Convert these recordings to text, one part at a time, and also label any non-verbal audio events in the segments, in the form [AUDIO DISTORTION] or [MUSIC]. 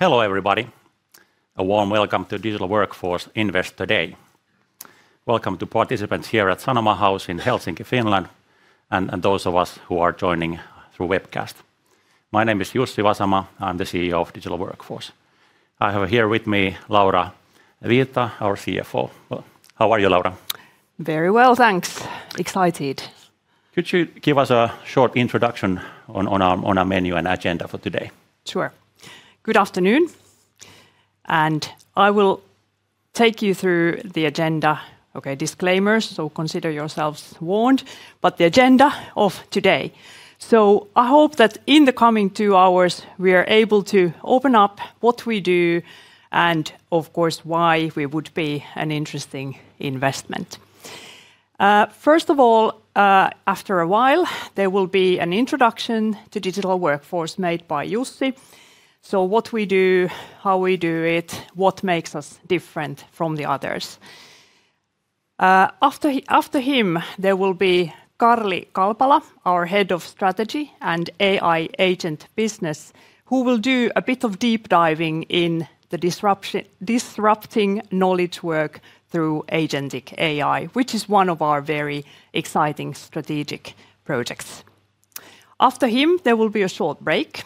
Hello everybody. A warm welcome to Digital Workforce Investor Day. Welcome to participants here at Sanoma House in Helsinki,, and those of us who are joining through webcast. My name is Jussi Vasama, I'm the CEO of Digital Workforce. I have here with me Laura Viita, our CFO. How are you, Laura? Very well, thanks. Excited. Could you give us a short introduction on our menu and agenda for today? Sure. Good afternoon, and I will take you through the agenda. Okay, disclaimers, so consider yourselves warned, but the agenda of today. I hope that in the coming two hours we are able to open up what we do, and of course, why we would be an interesting investment. First of all, after a while, there will be an introduction to Digital Workforce made by Jussi. What we do, how we do it, what makes us different from the others? After him, there will be Karli Kalpala, our Head of Strategy and AI Agent Business, who will do a bit of deep diving in disrupting knowledge work through agentic AI, which is one of our very exciting strategic projects. After him, there will be a short break,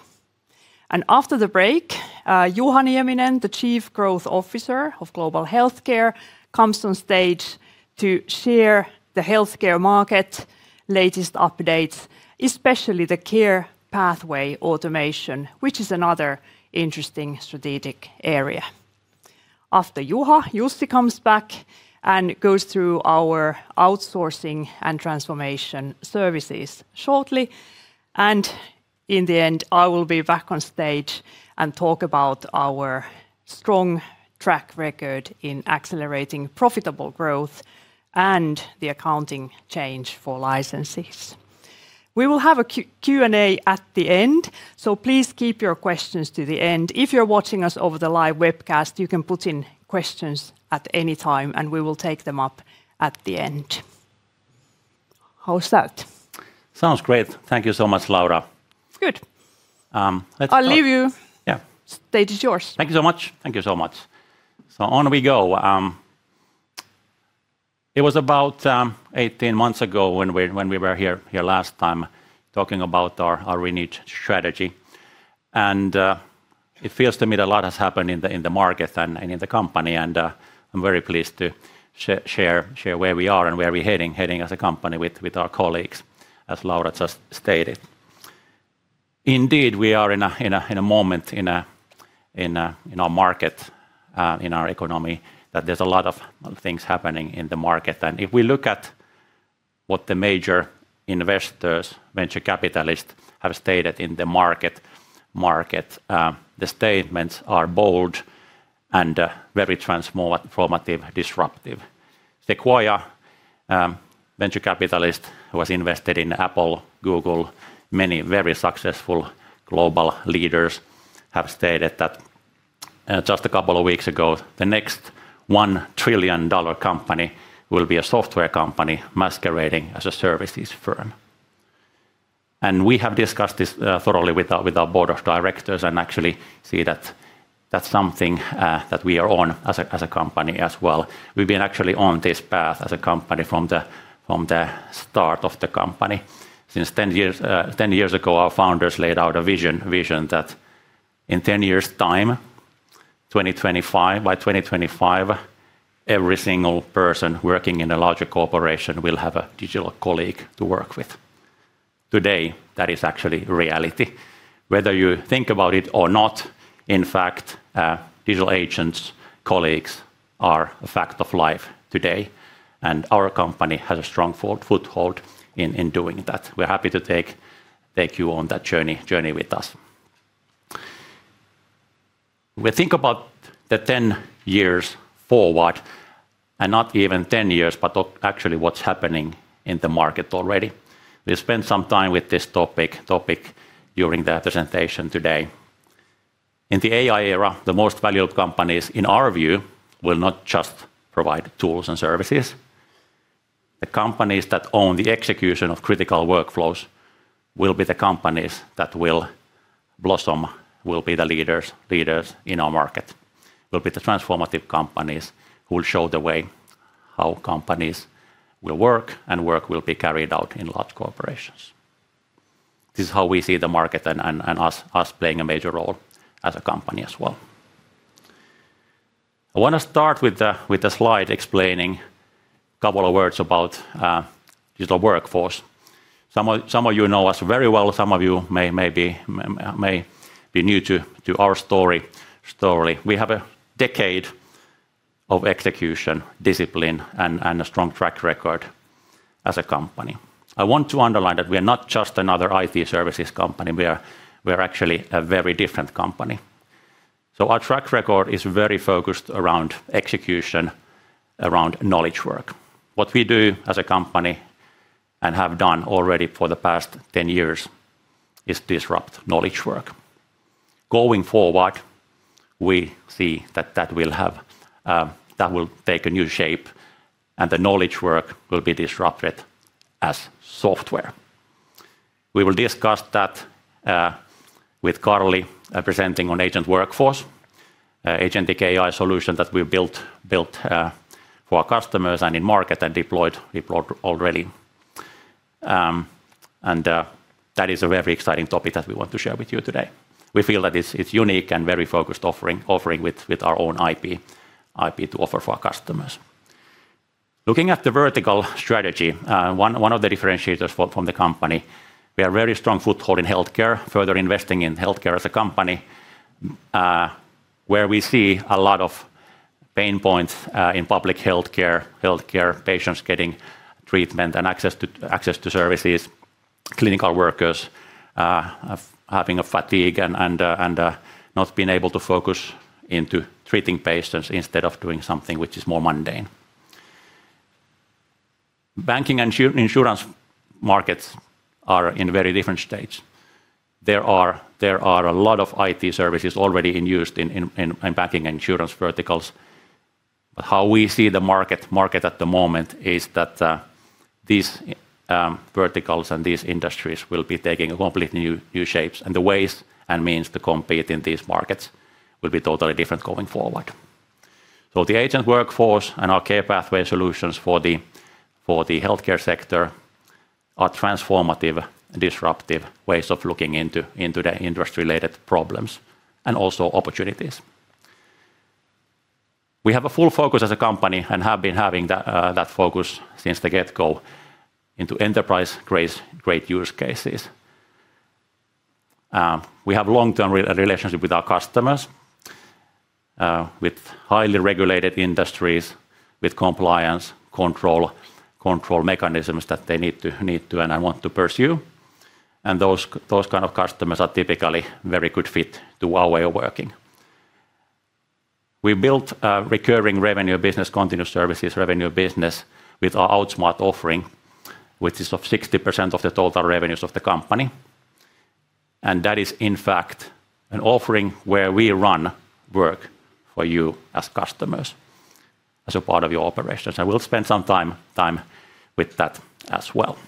and after the break, Juha Nieminen, the Chief Growth Officer of Global Healthcare, comes on stage to share the healthcare market latest updates, especially the care pathway automation, which is another interesting strategic area. After Juha, Jussi comes back and goes through our outsourcing and transformation services shortly. In the end, I will be back on stage and talk about our strong track record in accelerating profitable growth and the accounting change for licenses. We will have a Q&A at the end, so please keep your questions to the end. If you're watching us over the live webcast, you can put in questions at any time, and we will take them up at the end. How's that? Sounds great. Thank you so much, Laura. Good. Let's start. I'll leave you. Yeah. Stage is yours. Thank you so much. Thank you so much. On we go. It was about 18 months ago when we were here last time talking about our renewed strategy. It feels to me that a lot has happened in the market and in the company, and I'm very pleased to share where we are and where we're heading as a company with our colleagues, as Laura just stated. Indeed, we are in a moment in our market, in our economy, that there's a lot of things happening in the market. If we look at what the major investors, venture capitalists have stated in the market, the statements are bold and very transformative, disruptive. Sequoia Capital, venture capitalist who has invested in Apple, Google, many very successful global leaders have stated that, just a couple of weeks ago, the next $1 trillion company will be a software company masquerading as a services firm. We have discussed this thoroughly with our board of directors and actually see that that's something that we are on as a company as well. We've been actually on this path as a company from the start of the company. Since 10 years ago, our founders laid out a vision that in 10 years' time, 2025, by 2025, every single person working in a larger corporation will have a digital colleague to work with. Today, that is actually reality. Whether you think about it or not, in fact, digital agents colleagues are a fact of life today, and our company has a strong foothold in doing that. We're happy to take you on that journey with us. We think about the 10 years forward, and not even 10 years, but actually what's happening in the market already. We'll spend some time with this topic during the presentation today. In the AI era, the most valued companies in our view will not just provide tools and services. The companies that own the execution of critical workflows will be the companies that will blossom, will be the leaders in our market, will be the transformative companies who will show the way how companies will work will be carried out in large corporations. This is how we see the market and us playing a major role as a company as well. I wanna start with a slide explaining a couple of words about Digital Workforce. Some of you know us very well, some of you may be new to our story. We have a decade of execution, discipline, and a strong track record as a company. I want to underline that we're not just another IT services company, we are actually a very different company. Our track record is very focused around execution, around knowledge work. What we do as a company, and have done already for the past 10 years, is disrupt knowledge work. Going forward, we see that will have that will take a new shape, and the knowledge work will be disrupted as software. We will discuss that with Karli presenting on Agent Workforce, Agentic AI solution that we built for our customers and in market and deployed already. That is a very exciting topic that we want to share with you today. We feel that it's unique and very focused offering with our own IP to offer for our customers. Looking at the vertical strategy, one of the differentiators from the company, we have a very strong foothold in healthcare, further investing in healthcare as a company, where we see a lot of pain points in public healthcare patients getting treatment and access to services, clinical workers having fatigue and not being able to focus into treating patients instead of doing something which is more mundane. Banking and Insurance markets are in a very different stage. There are a lot of IT services already in use in Banking and Insurance verticals. How we see the market at the moment is that these verticals and these industries will be taking a completely new shapes, and the ways and means to compete in these markets will be totally different going forward. The Agent Workforce and our Care Pathway Solutions for the healthcare sector are transformative and disruptive ways of looking into the industry-related problems and also opportunities. We have a full focus as a company and have been having that focus since the get-go into Enterprise-grade use cases. We have long-term relationship with our customers with highly regulated industries, with compliance, control mechanisms that they need to and want to pursue, and those kind of customers are typically very good fit to our way of working. We built a recurring revenue business, continuous services revenue business with our Outsmart offering, which is 60% of the total revenues of the company, and that is in fact an offering where we run work for you as customers, as a part of your operations. We'll spend some time with that as well.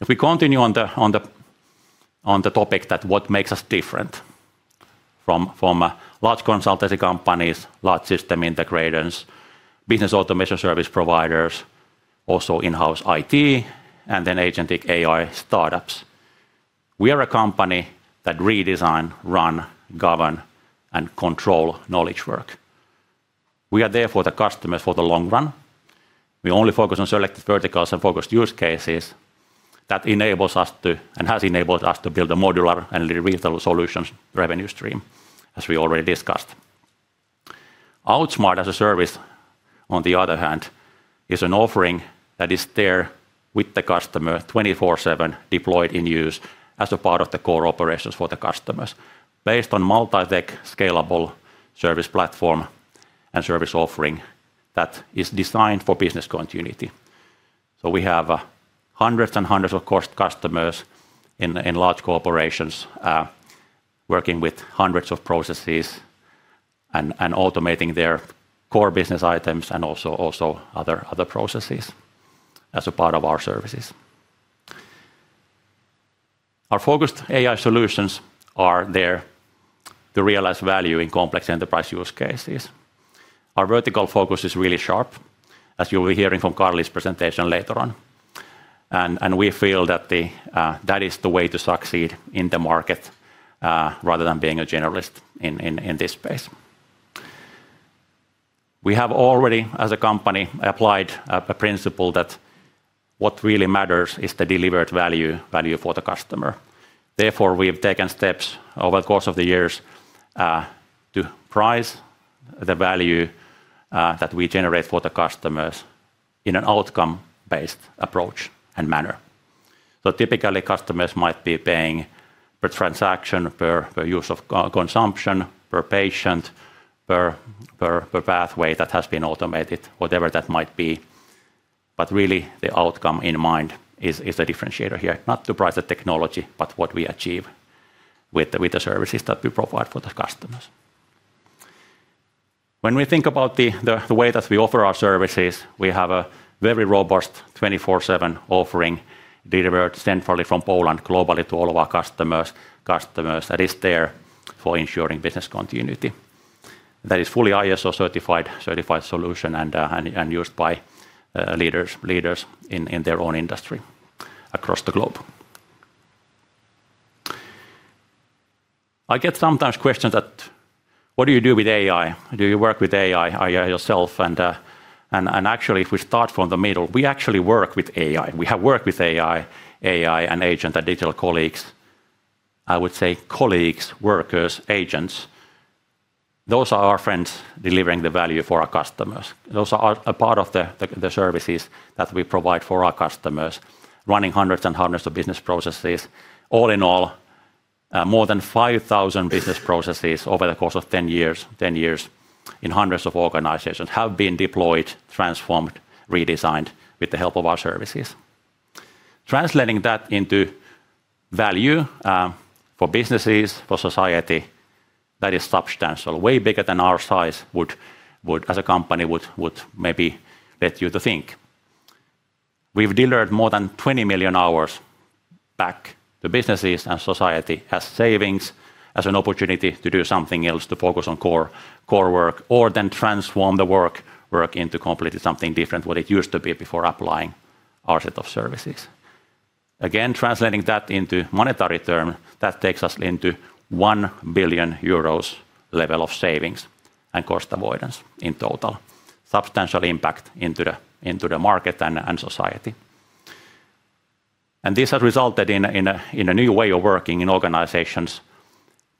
If we continue on the topic of what makes us different from large consultancy companies, large system integrators, business automation service providers, also in-house IT, and then Agentic AI startups, we are a company that redesign, run, govern, and control knowledge work. We are there for the customers for the long run. We only focus on selected verticals and focused use cases. That enables us to, and has enabled us to build a modular and reusable solutions revenue stream, as we already discussed. Outsmart as a service, on the other hand, is an offering that is there with the customer 24/7, deployed in use as a part of the core operations for the customers, based on multi-tech scalable service platform and service offering that is designed for business continuity. We have hundreds of customers in large corporations, working with hundreds of processes and automating their core business items and also other processes as a part of our services. Our focused AI solutions are there to realize value in complex enterprise use cases. Our vertical focus is really sharp, as you'll be hearing from Karli's presentation later on, and we feel that that is the way to succeed in the market, rather than being a generalist in this space. We have already, as a company, applied a principle that what really matters is the delivered value for the customer. Therefore, we have taken steps over the course of the years to price the value that we generate for the customers in an outcome-based approach and manner. Typically, customers might be paying per transaction, per use consumption, per patient, per pathway that has been automated, whatever that might be. Really the outcome in mind is the differentiator here. Not to price the technology, but what we achieve with the services that we provide for the customers. When we think about the way that we offer our services, we have a very robust 24/7 offering delivered centrally from Poland globally to all of our customers that is there for ensuring business continuity. That is fully ISO certified solution and used by leaders in their own industry across the globe. I get sometimes questions that, "What do you do with AI? Do you work with AI yourself?" Actually if we start from the middle, we actually work with AI. We have worked with AI and agent and digital colleagues. I would say colleagues, workers, agents, those are our friends delivering the value for our customers. Those are a part of the services that we provide for our customers, running hundreds of business processes. All in all, more than 5,000 business processes over the course of 10 years in hundreds of organizations have been deployed, transformed, redesigned with the help of our services. Translating that into value for businesses, for society, that is substantial. Way bigger than our size would, as a company, would maybe let you to think. We've delivered more than 20 million hours back to businesses and society as savings, as an opportunity to do something else, to focus on core work, or then transform the work into completely something different what it used to be before applying our set of services. Again, translating that into monetary term, that takes us into 1 billion euros level of savings and cost avoidance in total. Substantial impact into the market and society. This has resulted in a new way of working in organizations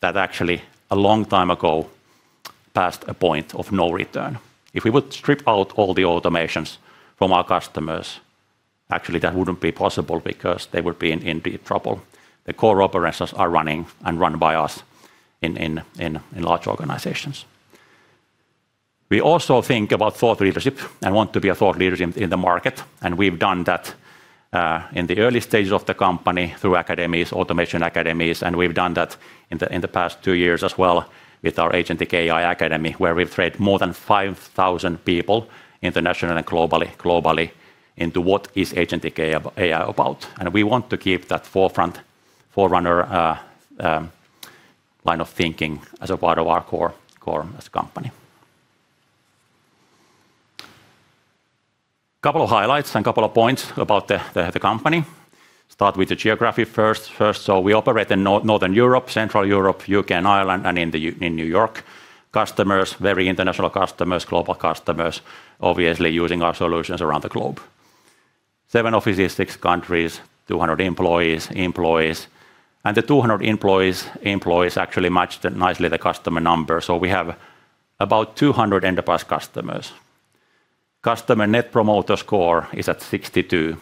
that actually, a long time ago, passed a point of no return. If we would strip out all the automations from our customers, actually, that wouldn't be possible because they would be in deep trouble. The core operations are running and run by us in large organizations. We also think about thought leadership and want to be a thought leader in the market, and we've done that in the early stages of the company through academies, automation academies, and we've done that in the past two years as well with our Agentic AI Academy, where we've trained more than 5,000 people internationally and globally into what is Agentic AI about. We want to keep that forefront, forerunner line of thinking as a part of our core as a company. Couple of highlights and couple of points about the company. Start with the geography first. We operate in Northern Europe, Central Europe, U.K. and Ireland, and in New York. Customers, very international customers, global customers, obviously using our solutions around the globe. Seven offices, six countries, 200 employees. The 200 employees actually match nicely the customer numbers. We have about 200 enterprise customers. Customer Net Promoter Score is at 62,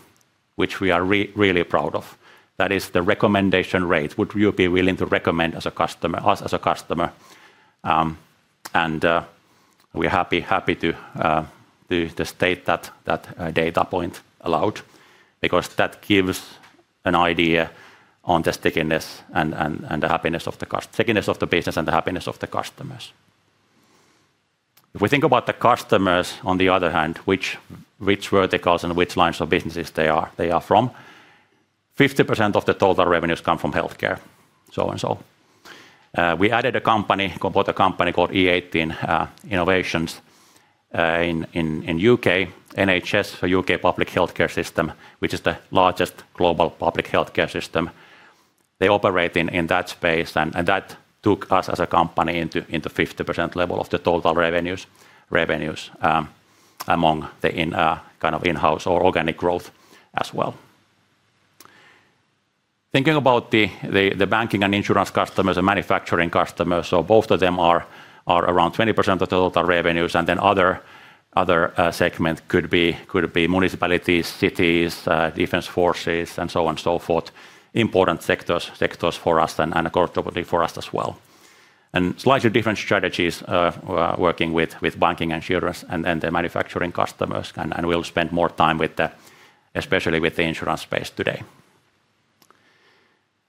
which we are really proud of. That is the recommendation rate. Would you be willing to recommend us as a customer? We're happy to state that data point aloud because that gives an idea on the stickiness of the business and the happiness of the customers. If we think about the customers on the other hand, which verticals and which lines of businesses they are from, 50% of the total revenues come from healthcare. We added a company, bought a company called e18 Innovation in U.K. NHS, so U.K. public healthcare system, which is the largest global public healthcare system. They operate in that space and that took us as a company into 50% level of the total revenues among the kind of in-house or organic growth as well. Thinking about the banking and insurance customers and manufacturing customers. Both of them are around 20% of the total revenues, and then other segment could be municipalities, cities, defense forces, and so on and so forth. Important sectors for us and of course, globally for us as well. Slightly different strategies, working with banking, insurance, and the manufacturing customers, and we'll spend more time with the especially with the insurance space today.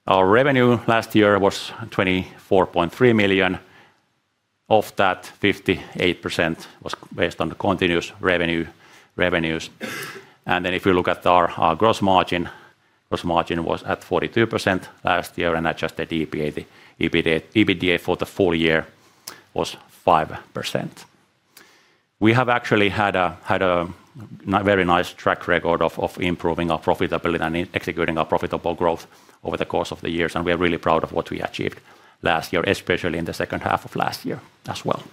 Our revenue last year was 24.3 million. Of that, 58% was based on the continuous revenue. Then if you look at our gross margin, gross margin was at 42% last year, and Adjusted EBITDA for the full year was 5%. We have actually had a very nice track record of improving our profitability and executing our profitable growth over the course of the years, and we are really proud of what we achieved last year, especially in the second half of last year as well.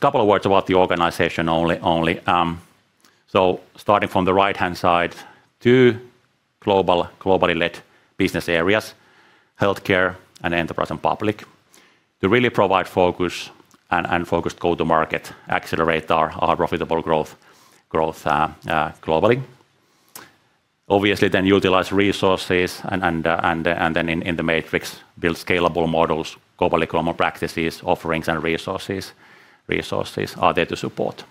Just a couple of words about the organization only. Starting from the right-hand side, two globally-led business areas, healthcare and enterprise and public, to really provide focus and focused go-to-market, accelerate our profitable growth globally. Obviously, then utilize resources and then in the matrix, build scalable models, globally common practices, offerings, and resources. Resources are there to support.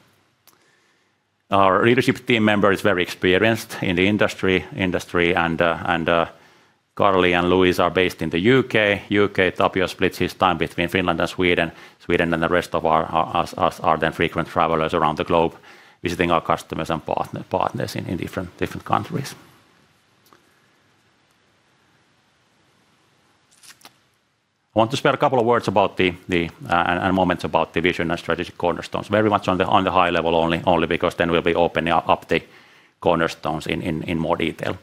Our leadership team member is very experienced in the industry, and Karli and Lewis are based in the U.K. Tapio splits his time between Finland and Sweden and the rest of us are then frequent travelers around the globe, visiting our customers and partners in different countries. I want to spare a couple of words about the moments about the vision and strategic cornerstones, very much on the high level only because then we'll be opening up the cornerstones in more detail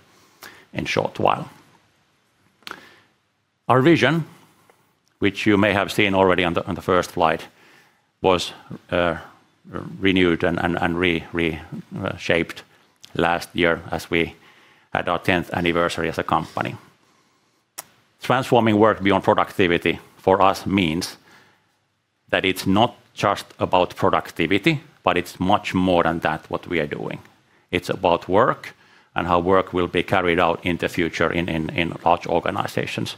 in short while. Our vision, which you may have seen already on the first slide, was renewed and reshaped last year as we had our tenth anniversary as a company. Transforming work beyond productivity for us means that it's not just about productivity, but it's much more than that, what we are doing. It's about work and how work will be carried out in the future in large organizations.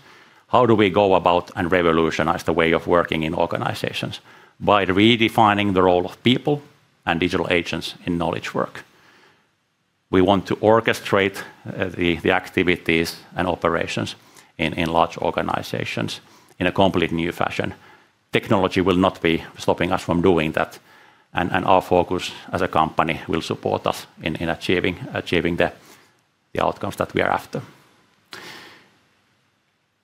How do we go about and revolutionize the way of working in organizations? By redefining the role of people and digital agents in knowledge work. We want to orchestrate the activities and operations in large organizations in a completely new fashion. Technology will not be stopping us from doing that, and our focus as a company will support us in achieving the outcomes that we are after.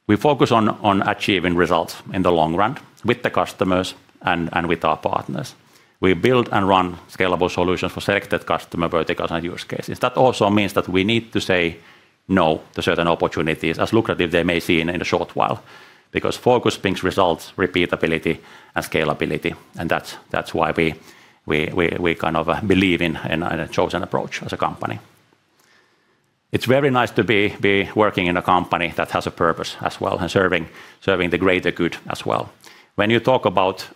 We focus on achieving results in the long run with the customers and with our partners. We build and run scalable solutions for selected customer verticals and use cases. That also means that we need to say no to certain opportunities as lucrative as they may seem in the short while, because focus brings results, repeatability, and scalability, and that's why we kind of believe in a chosen approach as a company. It's very nice to be working in a company that has a purpose as well and serving the greater good as well. When you talk about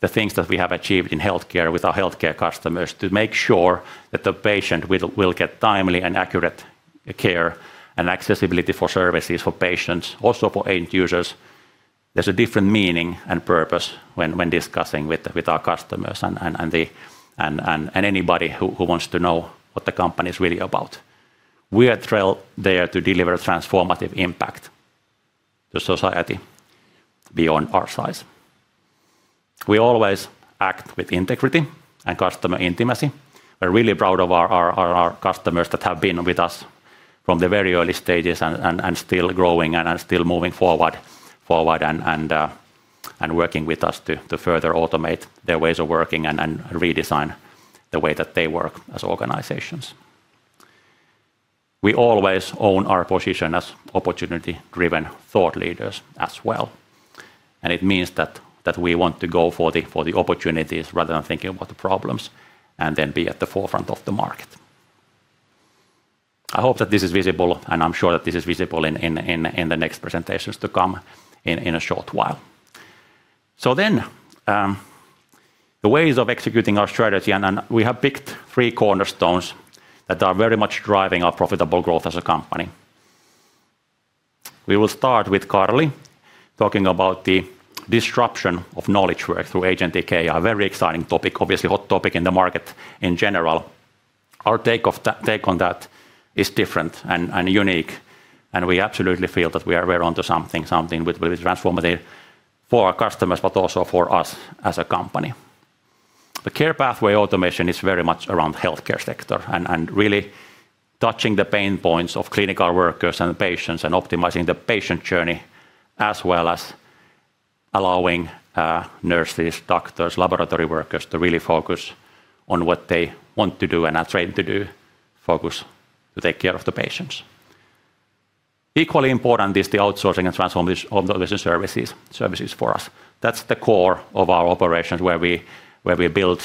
the things that we have achieved in healthcare with our healthcare customers to make sure that the patient will get timely and accurate care and accessibility for services for patients, also for end users, there's a different meaning and purpose when discussing with our customers and anybody who wants to know what the company is really about. We are there to deliver transformative impact to society beyond our size. We always act with integrity and customer intimacy. We're really proud of our customers that have been with us from the very early stages and still growing and still moving forward and working with us to further automate their ways of working and redesign the way that they work as organizations. We always own our position as opportunity-driven thought leaders as well, and it means that we want to go for the opportunities rather than thinking about the problems, and then be at the forefront of the market. I hope that this is visible, and I'm sure that this is visible in the next presentations to come in a short while. The ways of executing our strategy and we have picked three cornerstones that are very much driving our profitable growth as a company. We will start with Karli talking about the disruption of knowledge work through Agentic AI. Very exciting topic. Obviously, hot topic in the market in general. Our take on that is different and unique, and we absolutely feel that we're onto something which will be transformative for our customers, but also for us as a company. The Care Pathway Automation is very much around healthcare sector and really touching the pain points of clinical workers and patients and optimizing the patient journey, as well as allowing nurses, doctors, laboratory workers to really focus on what they want to do and are trained to do. Focus to take care of the patients. Equally important is the outsourcing and transformation services for us. That's the core of our operations, where we build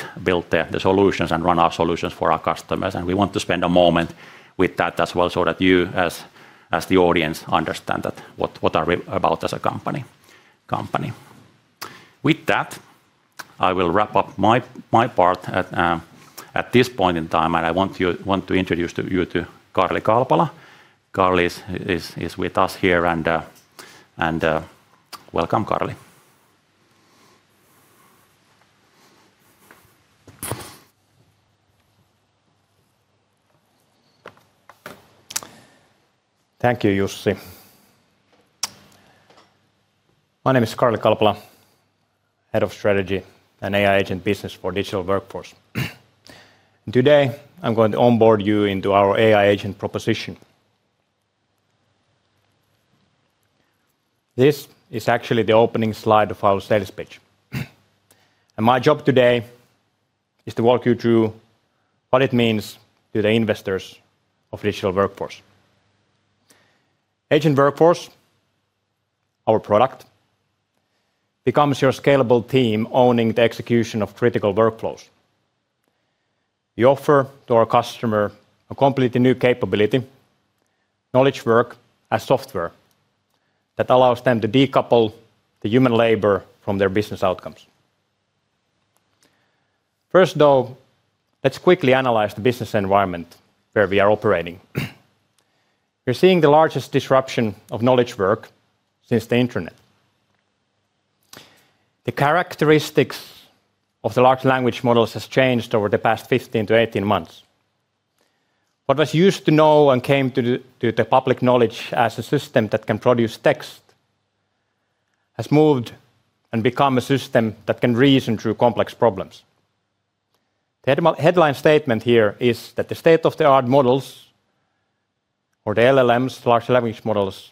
the solutions and run our solutions for our customers, and we want to spend a moment with that as well, so that you as the audience understand that what are we about as a company. With that, I will wrap up my part at this point in time, and I want to introduce you to Karli Kalpala. Karli is with us here and welcome, Karli. Thank you, Jussi. My name is Karli Kalpala, Head of Strategy & AI Agent Business for Digital Workforce. Today, I'm going to onboard you into AI Agent proposition. This is actually the opening slide of our status page. My job today is to walk you through what it means to the investors of Digital Workforce. Agent Workforce, our product, becomes your scalable team owning the execution of critical workflows. We offer to our customer a completely new capability, knowledge work as software, that allows them to decouple the human labor from their business outcomes. First, though, let's quickly analyze the business environment where we are operating. We're seeing the largest disruption of knowledge work since the internet. The characteristics of the large language models has changed over the past 15-18 months. What used to be known and came to the public knowledge as a system that can produce text has moved and become a system that can reason through complex problems. The headline statement here is that the state-of-the-art models, or the LLMs, large language models,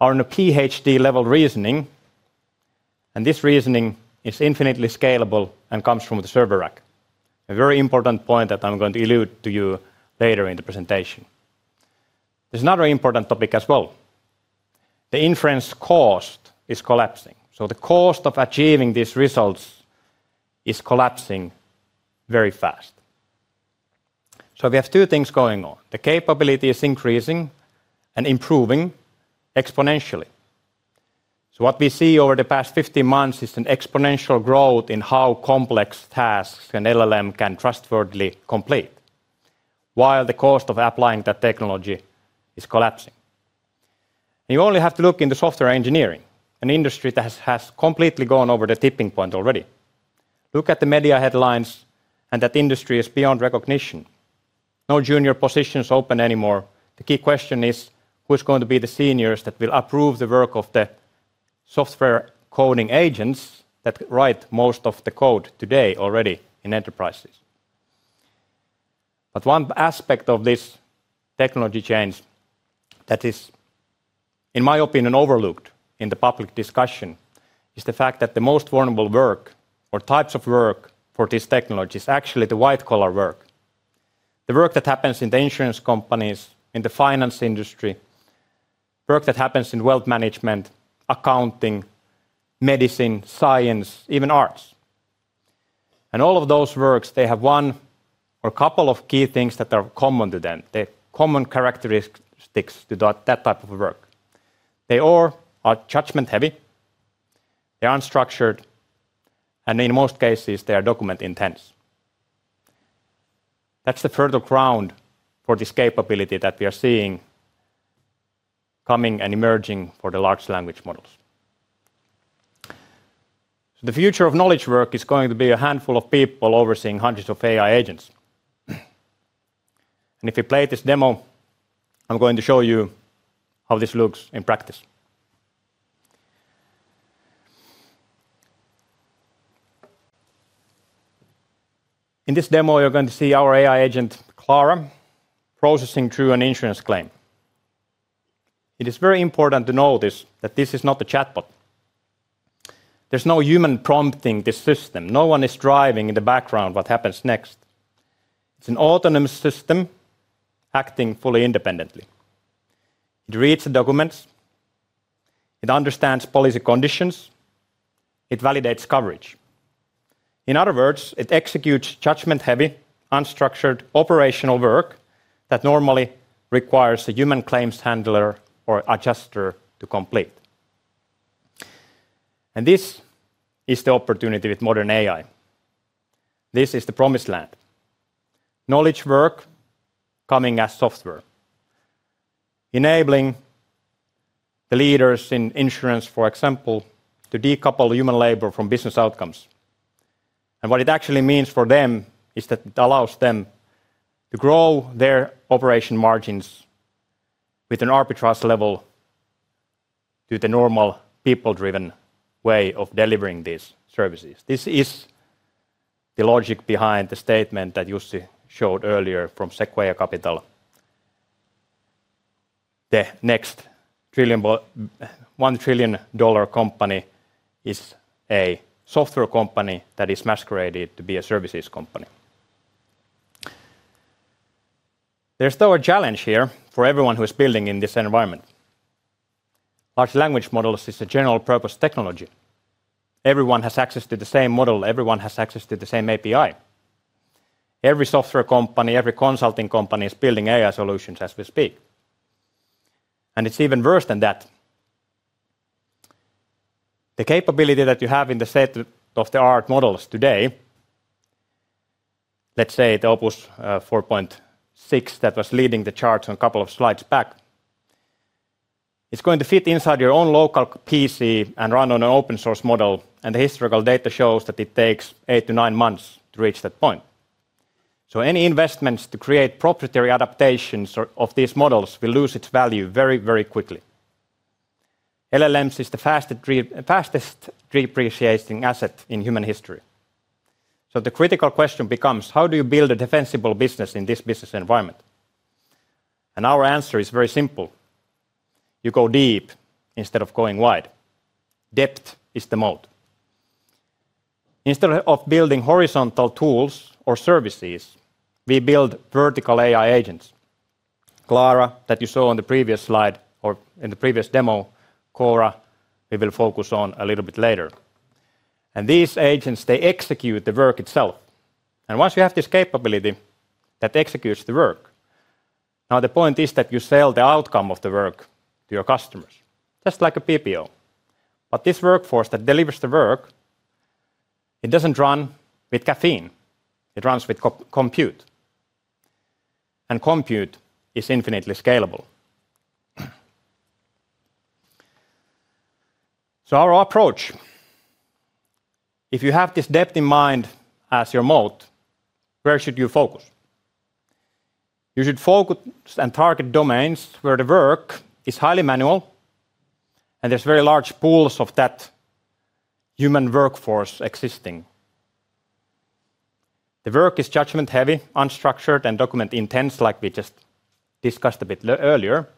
are on a PhD level reasoning, and this reasoning is infinitely scalable and comes from the server rack. A very important point that I'm going to allude to later in the presentation. There's another important topic as well. The inference cost is collapsing. The cost of achieving these results is collapsing very fast. We have two things going on. The capability is increasing and improving exponentially. What we see over the past 15 months is an exponential growth in how complex tasks an LLM can trustworthily complete, while the cost of applying that technology is collapsing. You only have to look into software engineering, an industry that has completely gone over the tipping point already. Look at the media headlines, and that industry is beyond recognition. No junior positions open anymore. The key question is, who's going to be the seniors that will approve the work of the software coding agents that write most of the code today already in enterprises? One aspect of this technology change that is, in my opinion, overlooked in the public discussion, is the fact that the most vulnerable work or types of work for this technology is actually the white-collar work. The work that happens in the insurance companies, in the finance industry, work that happens in wealth management, accounting, medicine, science, even arts. All of those works, they have one or a couple of key things that are common to them. The common characteristics to do that type of work. They all are judgment heavy, they're unstructured, and in most cases, they are document intense. That's the fertile ground for this capability that we are seeing coming and emerging for the large language models. The future of knowledge work is going to be a handful of people overseeing hundreds of AI Agents. If we play this demo, I'm going to show you how this looks in practice. In this demo, you're going to see our AI Agent, Clara, processing through an insurance claim. It is very important to notice that this is not a chatbot. There's no human prompting this system. No one is driving in the background what happens next. It's an autonomous system acting fully independently. It reads the documents, it understands policy conditions, it validates coverage. In other words, it executes judgment-heavy, unstructured operational work that normally requires a human claims handler or adjuster to complete. This is the opportunity with modern AI. This is the promised land. Knowledge work coming as software, enabling the leaders in insurance, for example, to decouple human labor from business outcomes. What it actually means for them is that it allows them to grow their operating margins with an arbitrage level to the normal people-driven way of delivering these services. This is the logic behind the statement that Jussi showed earlier from Sequoia Capital. The next one trillion dollar company is a software company that is masqueraded to be a services company. There's still a challenge here for everyone who is building in this environment. Large language models is a general purpose technology. Everyone has access to the same model, everyone has access to the same API. Every software company, every consulting company is building AI solutions as we speak. It's even worse than that. The capability that you have in the state of the art models today, let's say the Opus 4.6 that was leading the charts on a couple of slides back, it's going to fit inside your own local PC, and run on an open source model, and the historical data shows that it takes eight to nine months to reach that point. Any investments to create proprietary adaptations or of these models will lose its value very, very quickly. LLMs is the fastest depreciating asset in human history. The critical question becomes. How do you build a defensible business in this business environment? Our answer is very simple. You go deep instead of going wide. Depth is the mode. Instead of building horizontal tools or services, we build vertical AI Agents. Clara, that you saw on the previous slide or in the previous demo, Cora, we will focus on a little bit later. These agents, they execute the work itself. Once you have this capability that executes the work, now the point is that you sell the outcome of the work to your customers, just like a BPO. This workforce that delivers the work, it doesn't run with caffeine, it runs with compute, and compute is infinitely scalable. Our approach, if you have this depth in mind as your mode, where should you focus? You should focus and target domains where the work is highly manual and there's very large pools of that human workforce existing. The work is judgment-heavy, unstructured, and document intense like we just discussed a bit earlier.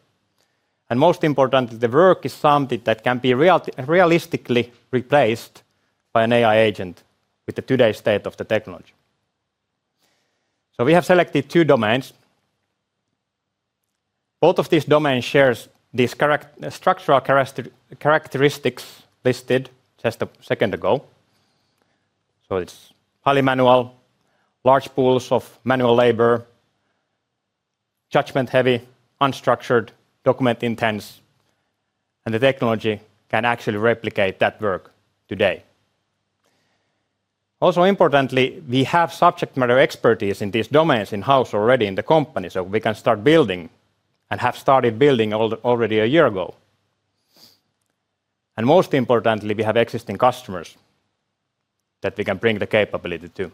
Most importantly, the work is something that can be realistically replaced by an AI agent with the today state of the technology. We have selected two domains. Both of these domains shares these structural characteristics listed just a second ago. It's highly manual, large pools of manual labor, judgment-heavy, unstructured, document intense, and the technology can actually replicate that work today. Also importantly, we have subject matter expertise in these domains in-house already in the company, so we can start building, and have started building already a year ago. Most importantly, we have existing customers that we can bring the capability to.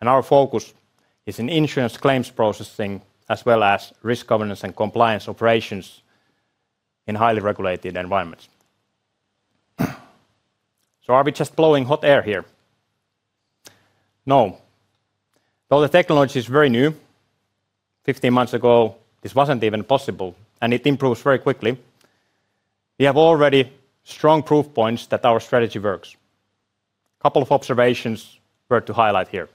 Our focus is in insurance claims processing, as well as risk governance and compliance operations in highly regulated environments. Are we just blowing hot air here? No. Though the technology is very new, 15 months ago, this wasn't even possible, and it improves very quickly. We have already strong proof points that our strategy works. Couple of observations worth to highlight here.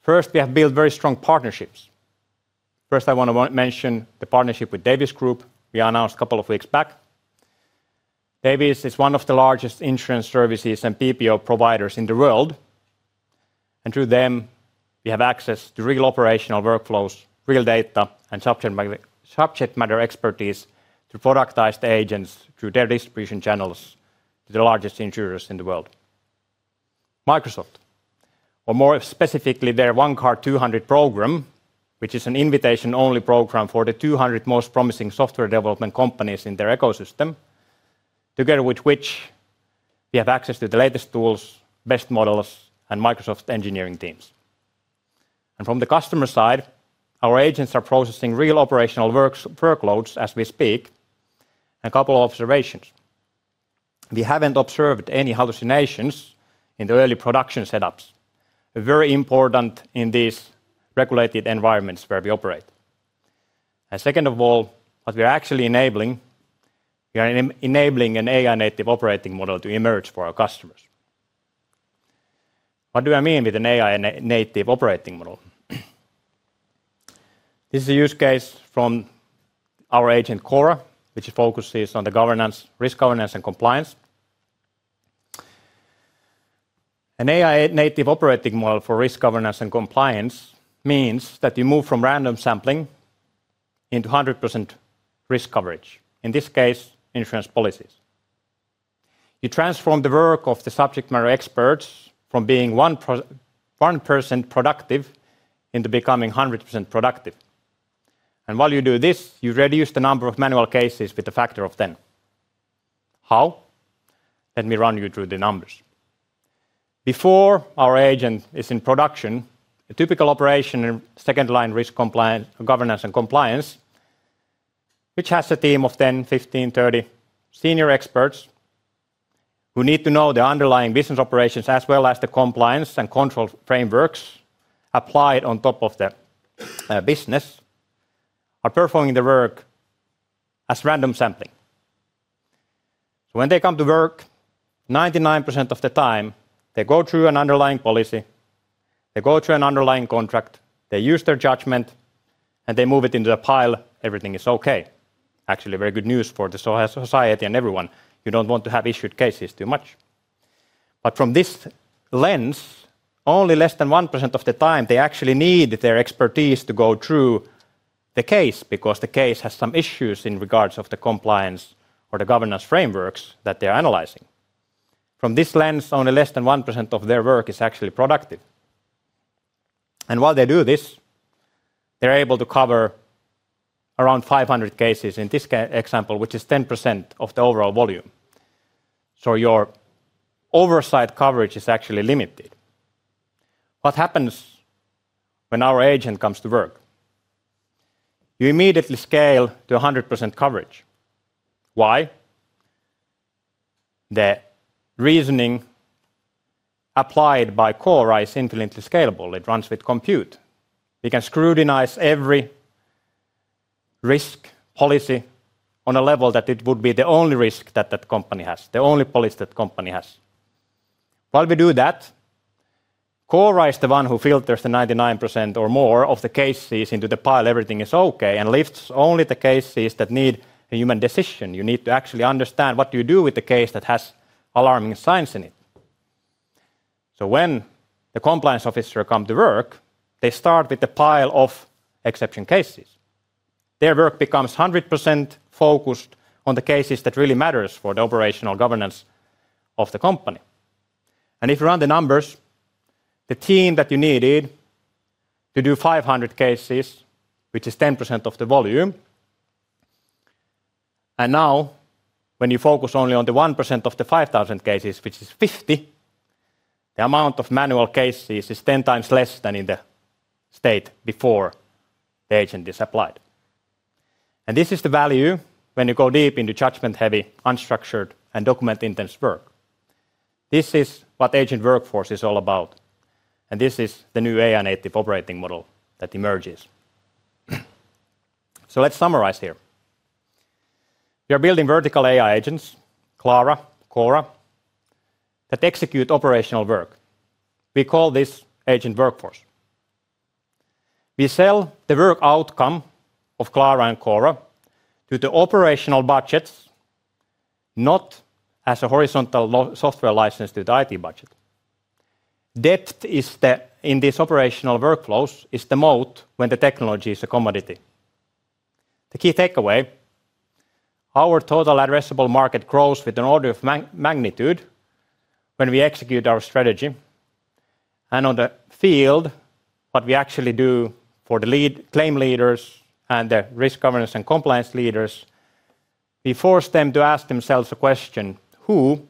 First, we have built very strong partnerships. First, I wanna mention the partnership with Davies Group we announced a couple of weeks back. Davies is one of the largest insurance services and BPO providers in the world. Through them, we have access to real operational workflows, real data, and subject matter expertise to productize the agents through their distribution channels to the largest insurers in the world. Microsoft, or more specifically, their ISV Success Program, which is an invitation-only program for the 200 most promising software development companies in their ecosystem, together with which we have access to the latest tools, best models, and Microsoft engineering teams. From the customer side, our agents are processing real operational workloads as we speak. A couple of observations. We haven't observed any hallucinations in the early production setups. Very important in these regulated environments where we operate. Second of all, what we're actually enabling, we are enabling an AI-native operating model to emerge for our customers. What do I mean with an AI-native operating model? This is a use case from our agent, Cora, which focuses on the governance, risk governance and compliance. An AI-native operating model for risk governance and compliance means that you move from random sampling into 100% risk coverage, in this case, insurance policies. You transform the work of the subject matter experts from being 1% productive into becoming 100% productive. While you do this, you reduce the number of manual cases with a factor of 10. How? Let me run you through the numbers. Before our agent is in production, a typical operation in second line risk compliance, governance and compliance, which has a team of 10, 15, 30 senior experts who need to know the underlying business operations as well as the compliance and control frameworks applied on top of the business, are performing the work as random sampling. When they come to work, 99% of the time, they go through an underlying policy, they go through an underlying contract, they use their judgment, and they move it into a pile, everything is okay. Actually, very good news for the society and everyone. You don't want to have issued cases too much. From this lens, only less than 1% of the time, they actually need their expertise to go through the case because the case has some issues in regards of the compliance or the governance frameworks that they're analyzing. From this lens, only less than 1% of their work is actually productive. While they do this, they're able to cover around 500 cases in this example, which is 10% of the overall volume. Your oversight coverage is actually limited. What happens when our agent comes to work? You immediately scale to 100% coverage. Why? The reasoning applied by Cora is infinitely scalable. It runs with compute. It can scrutinize every risk policy on a level that it would be the only risk that that company has, the only policy that company has. While we do that, Cora is the one who filters the 99% or more of the cases into the pile everything is okay, and lifts only the cases that need a human decision. You need to actually understand what you do with the case that has alarming signs in it. When the compliance officer come to work, they start with the pile of exception cases. Their work becomes 100% focused on the cases that really matters for the operational governance of the company. If you run the numbers, the team that you needed to do 500 cases, which is 10% of the volume, and now when you focus only on the 1% of the 5,000 cases, which is 50, the amount of manual cases is 10x less than in the state before the agent is applied. This is the value when you go deep into judgment-heavy, unstructured, and document-intense work. This is what Agent Workforce is all about, and this is the new AI-native operating model that emerges. Let's summarize here. We are building vertical AI Agents, Clara, Cora, that execute operational work. We call this Agent Workforce. We sell the work outcome of Clara and Cora to the operational budgets. Not as a horizontal software license to the IT budget. Depth in these operational workflows is the moat when the technology is a commodity. The key takeaway, our total addressable market grows with an order of magnitude when we execute our strategy. On the field, what we actually do for the lead-claim leaders and the risk governance and compliance leaders, we force them to ask themselves a question, "Who,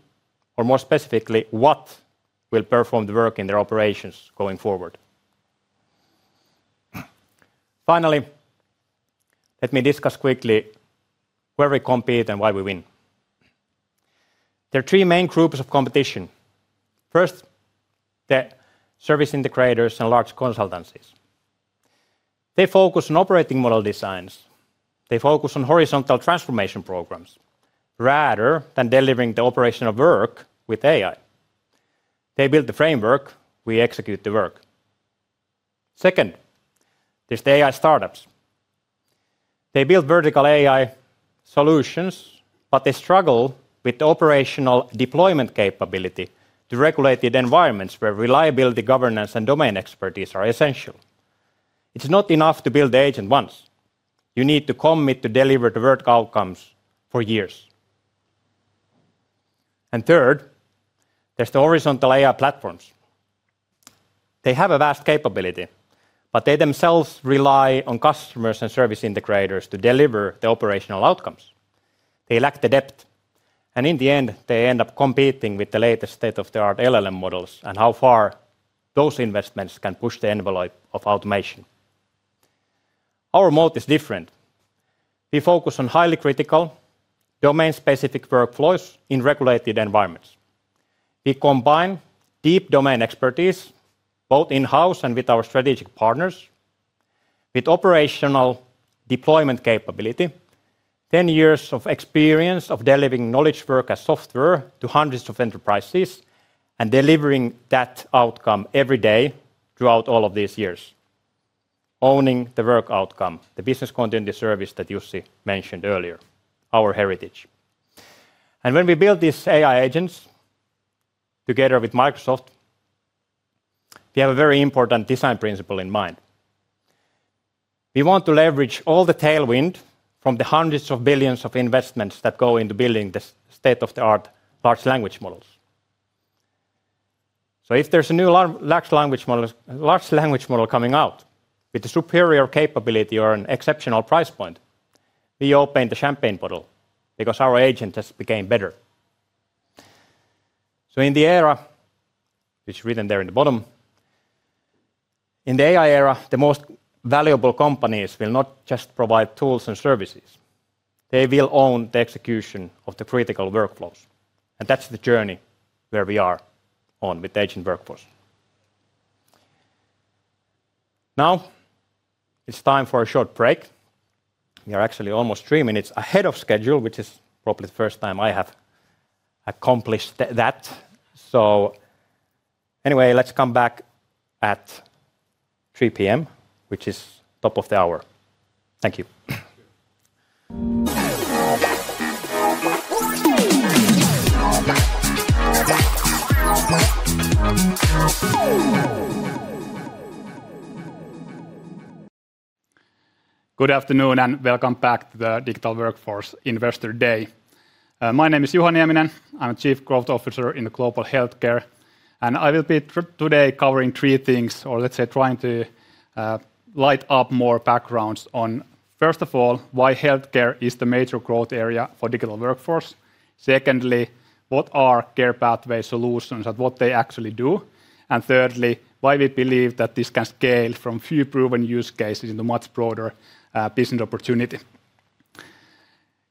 or more specifically, what, will perform the work in their operations going forward?" Finally, let me discuss quickly where we compete and why we win. There are three main groups of competition. First, the service integrators and large consultancies. They focus on operating model designs. They focus on horizontal transformation programs rather than delivering the operational work with AI. They build the framework, we execute the work. Second, there's the AI startups. They build Vertical AI solutions, but they struggle with the operational deployment capability to regulated environments where reliability, governance, and domain expertise are essential. It's not enough to build the agent once. You need to commit to deliver the work outcomes for years. Third, there's the Horizontal AI platforms. They have a vast capability, but they themselves rely on customers and service integrators to deliver the operational outcomes. They lack the depth, and in the end, they end up competing with the latest state-of-the-art LLM models and how far those investments can push the envelope of automation. Our moat is different. We focus on highly critical, domain-specific workflows in regulated environments. We combine deep domain expertise, both in-house and with our strategic partners, with operational deployment capability, 10 years of experience of delivering knowledge work as software to hundreds of enterprises, and delivering that outcome every day throughout all of these years. Owning the work outcome, the business content service that Jussi mentioned earlier, our heritage. When we build these AI Agents together with Microsoft, we have a very important design principle in mind. We want to leverage all the tailwind from the hundreds of billions of investments that go into building the state-of-the-art large language models. If there's a new large language model coming out with a superior capability or an exceptional price point, we open the champagne bottle because our agent has became better. In the era, it's written there in the bottom, in the AI era, the most valuable companies will not just provide tools and services. They will own the execution of the critical workflows, and that's the journey where we are on with Agent Workforce. Now, it's time for a short break. We are actually almost three minutes ahead of schedule, which is probably the first time I have accomplished that. Anyway, let's come back at 3:00 P.M., which is top of the hour. Thank you. Good afternoon, and welcome back to the Digital Workforce Investor Day. My name is Juha Nieminen. I'm a Chief Growth Officer in the Global Healthcare, and I will be today covering three things or, let's say, trying to light up more backgrounds on, first of all, why healthcare is the major growth area for Digital Workforce? Secondly, what are care pathway solutions and what they actually do? Thirdly, why we believe that this can scale from few proven use cases into much broader business opportunity?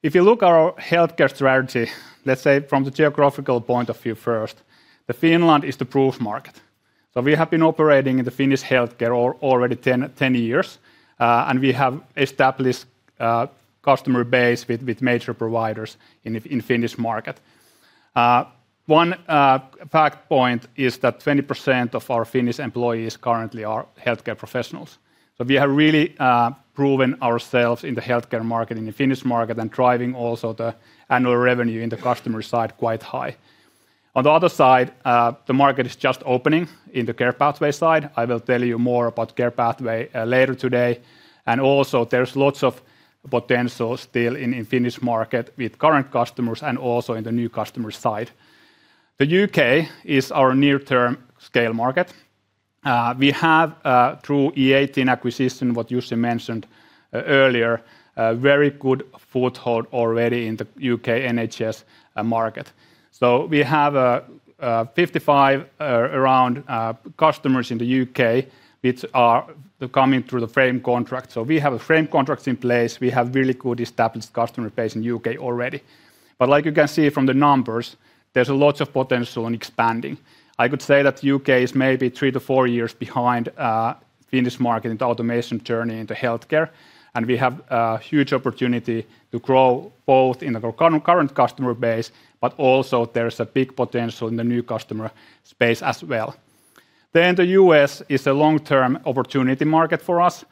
If you look our healthcare strategy, let's say from the geographical point of view first, Finland is the proof market. We have been operating in the Finnish healthcare already 10 years, and we have established customer base with major providers in Finnish market. One fact point is that 20% of our Finnish employees currently are healthcare professionals. We have really proven ourselves in the healthcare market, in the Finnish market, and driving also the annual revenue in the customer side quite high. On the other side, the market is just opening in the care pathway side. I will tell you more about care pathway later today. Also, there's lots of potential still in Finnish market with current customers and also in the new customer side. The U.K. is our near-term scale market. We have, through e18 acquisition, what Jussi mentioned earlier, a very good foothold already in the U.K. NHS market. We have 55 customers in the U.K. which are coming through the framework contract. We have framework contracts in place. We have really good established customer base in U.K. already. Like you can see from the numbers, there's a lot of potential in expanding. I could say that U.K. is maybe three to four years behind, Finnish market in the automation journey into healthcare, and we have a huge opportunity to grow both in the current customer base, but also there's a big potential in the new customer space as wellh The U.S. is a long-term opportunity market for us.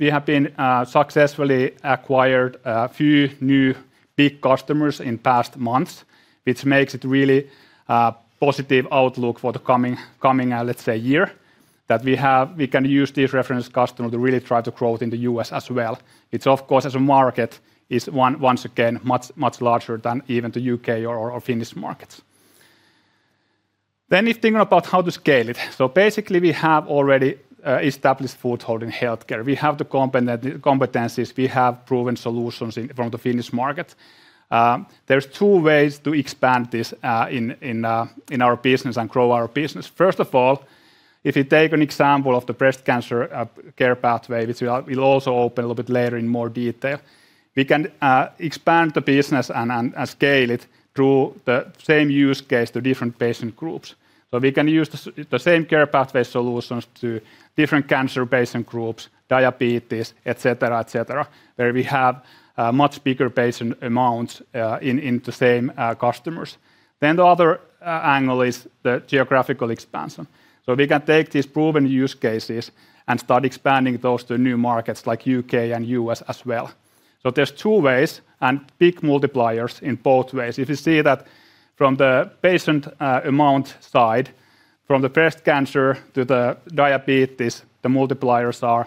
We have successfully acquired a few new big customers in past months, which makes it really positive outlook for the coming, let's say year, that we can use these reference customer to really try to grow it in the U.S. as well. It's of course, as a market, is once again much larger than even the U.K. or Finnish markets. If thinking about how to scale it. Basically, we have already established foothold in healthcare. We have the competencies, we have proven solutions from the Finnish market. There's two ways to expand this in our business and grow our business. First of all, if you take an example of the breast cancer care pathway, which we'll also open a little bit later in more detail, we can expand the business and scale it through the same use case to different patient groups. We can use the same care pathway solutions to different cancer patient groups, diabetes, etc., etc., where we have much bigger patient amounts in the same customers. The other angle is the geographical expansion. We can take these proven use cases and start expanding those to new markets like U.K. and U.S. as well. There's two ways and big multipliers in both ways. If you see that from the patient amount side, from the breast cancer to the diabetes, the multipliers are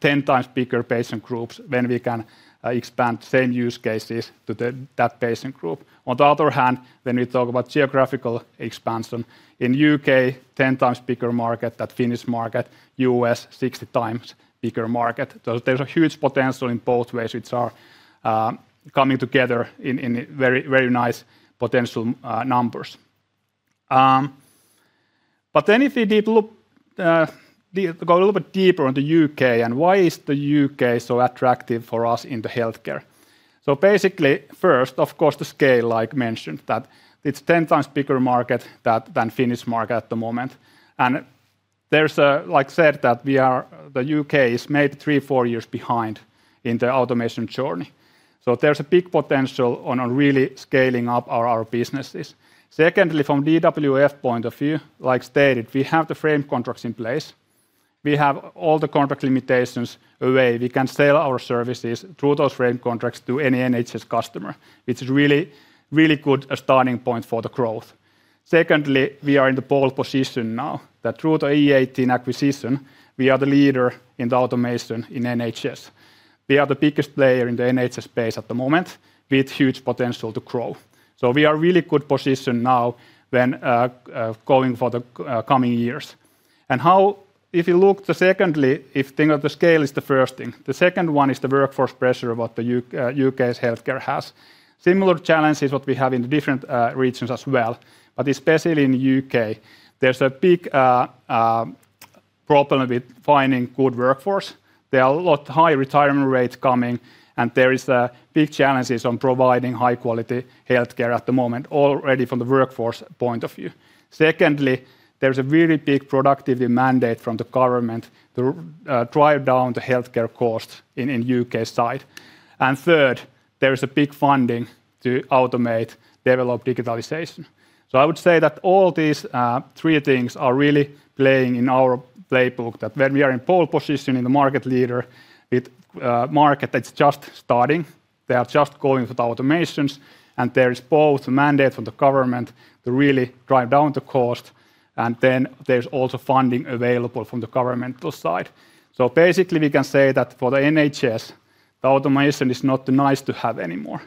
10x bigger patient groups when we can expand same use cases to that patient group. On the other hand, when we talk about geographical expansion, in U.K., 10x bigger market than Finnish market, U.S., 60x bigger market. There's a huge potential in both ways, which are coming together in very nice potential numbers. But then if you go a little bit deeper into U.K. and why is the U.K. so attractive for us in the healthcare? Basically, first, of course, the scale, like mentioned, that it's 10x bigger market than Finnish market at the moment. There's a, like said, that we are, the U.K. is maybe three, four years behind in their automation journey. There's a big potential on really scaling up our businesses. Secondly, from DWF point of view, as stated, we have the framework contracts in place. We have all the contract limitations away. We can sell our services through those framework contracts to any NHS customer. It's really, really good starting point for the growth. Secondly, we are in the pole position now, that through the e18 acquisition, we are the leader in the automation in NHS. We are the biggest player in the NHS space at the moment with huge potential to grow. We are really good position now when going for the coming years. Secondly, I think the scale is the first thing, the second one is the workforce pressure that the U.K.'s healthcare has. Similar challenges that we have in the different regions as well, but especially in the U.K., there's a big problem with finding good workforce. There are a lot of high retirement rates coming, and there is a big challenge on providing high-quality healthcare at the moment already from the workforce point of view. Secondly, there's a very big productivity mandate from the government to drive down the healthcare cost on the U.K. side. Third, there is a big funding to automate, develop digitalization. I would say that all these three things are really playing in our playbook, that when we are in pole position as the market leader with a market that's just starting, they are just going for the automations, and there is both mandate from the government to really drive down the cost, and then there's also funding available from the governmental side. Basically, we can say that for the NHS, the automation is not nice to have anymore.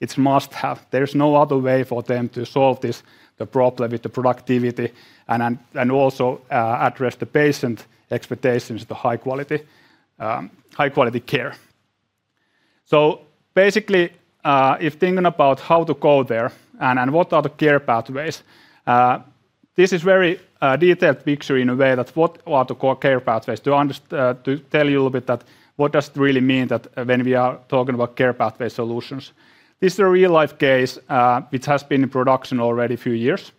It's must-have. There's no other way for them to solve this, the problem with the productivity and also address the patient expectations for high quality, high-quality care. Basically, if thinking about how to go there and what are the care pathways, this is very detailed picture in a way that what are the care pathways to tell you a little bit that what does it really mean that when we are talking about care pathway solutions. This is a real-life case, which has been in production already a few years.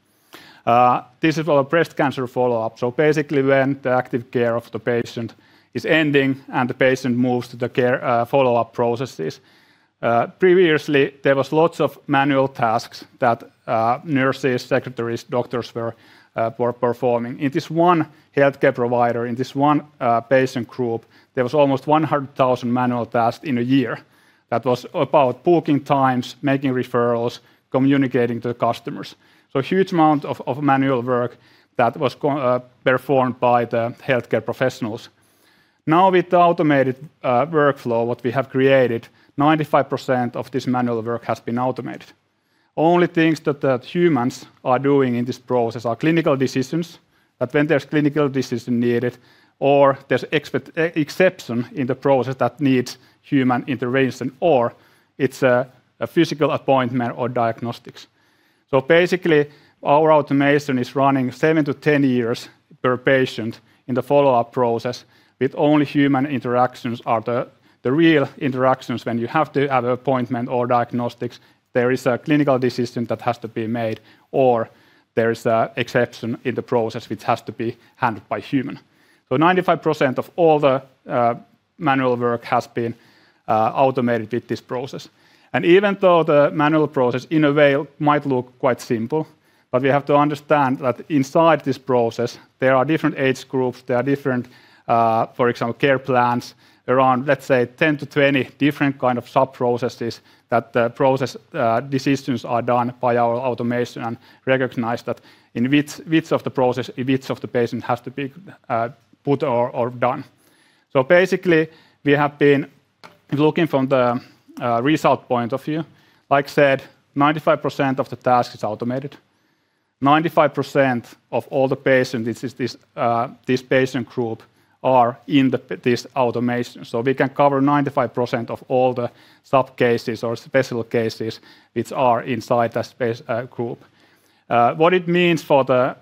This is our breast cancer follow-up. Basically, when the active care of the patient is ending and the patient moves to the care follow-up processes. Previously, there was lots of manual tasks that nurses, secretaries, doctors were performing. In this one healthcare provider, in this one patient group, there was almost 100,000 manual tasks in a year. That was about booking times, making referrals, communicating to the customers. Huge amount of manual work that was performed by the healthcare professionals. Now, with the automated workflow what we have created, 95% of this manual work has been automated. Only things that humans are doing in this process are clinical decisions, that when there's clinical decision needed or there's exception in the process that needs human intervention, or it's a physical appointment or diagnostics. Basically, our automation is running seven to 10 years per patient in the follow-up process, with only human interactions are the real interactions when you have to have an appointment or diagnostics, there is a clinical decision that has to be made, or there is a exception in the process which has to be handled by human. 95% of all the manual work has been automated with this process. Even though the manual process in a way might look quite simple, but we have to understand that inside this process, there are different age groups, there are different, for example, care plans, around, let's say 10-20 different kind of sub-processes that the process decisions are done by our automation and recognize that in which which of the process which of the patient has to be put or done. Basically, we have been looking from the result point of view. Like I said, 95% of the task is automated. 95% of all the patients, this patient group, are in this automation. We can cover 95% of all the sub-cases or special cases which are inside the space group. What it means for the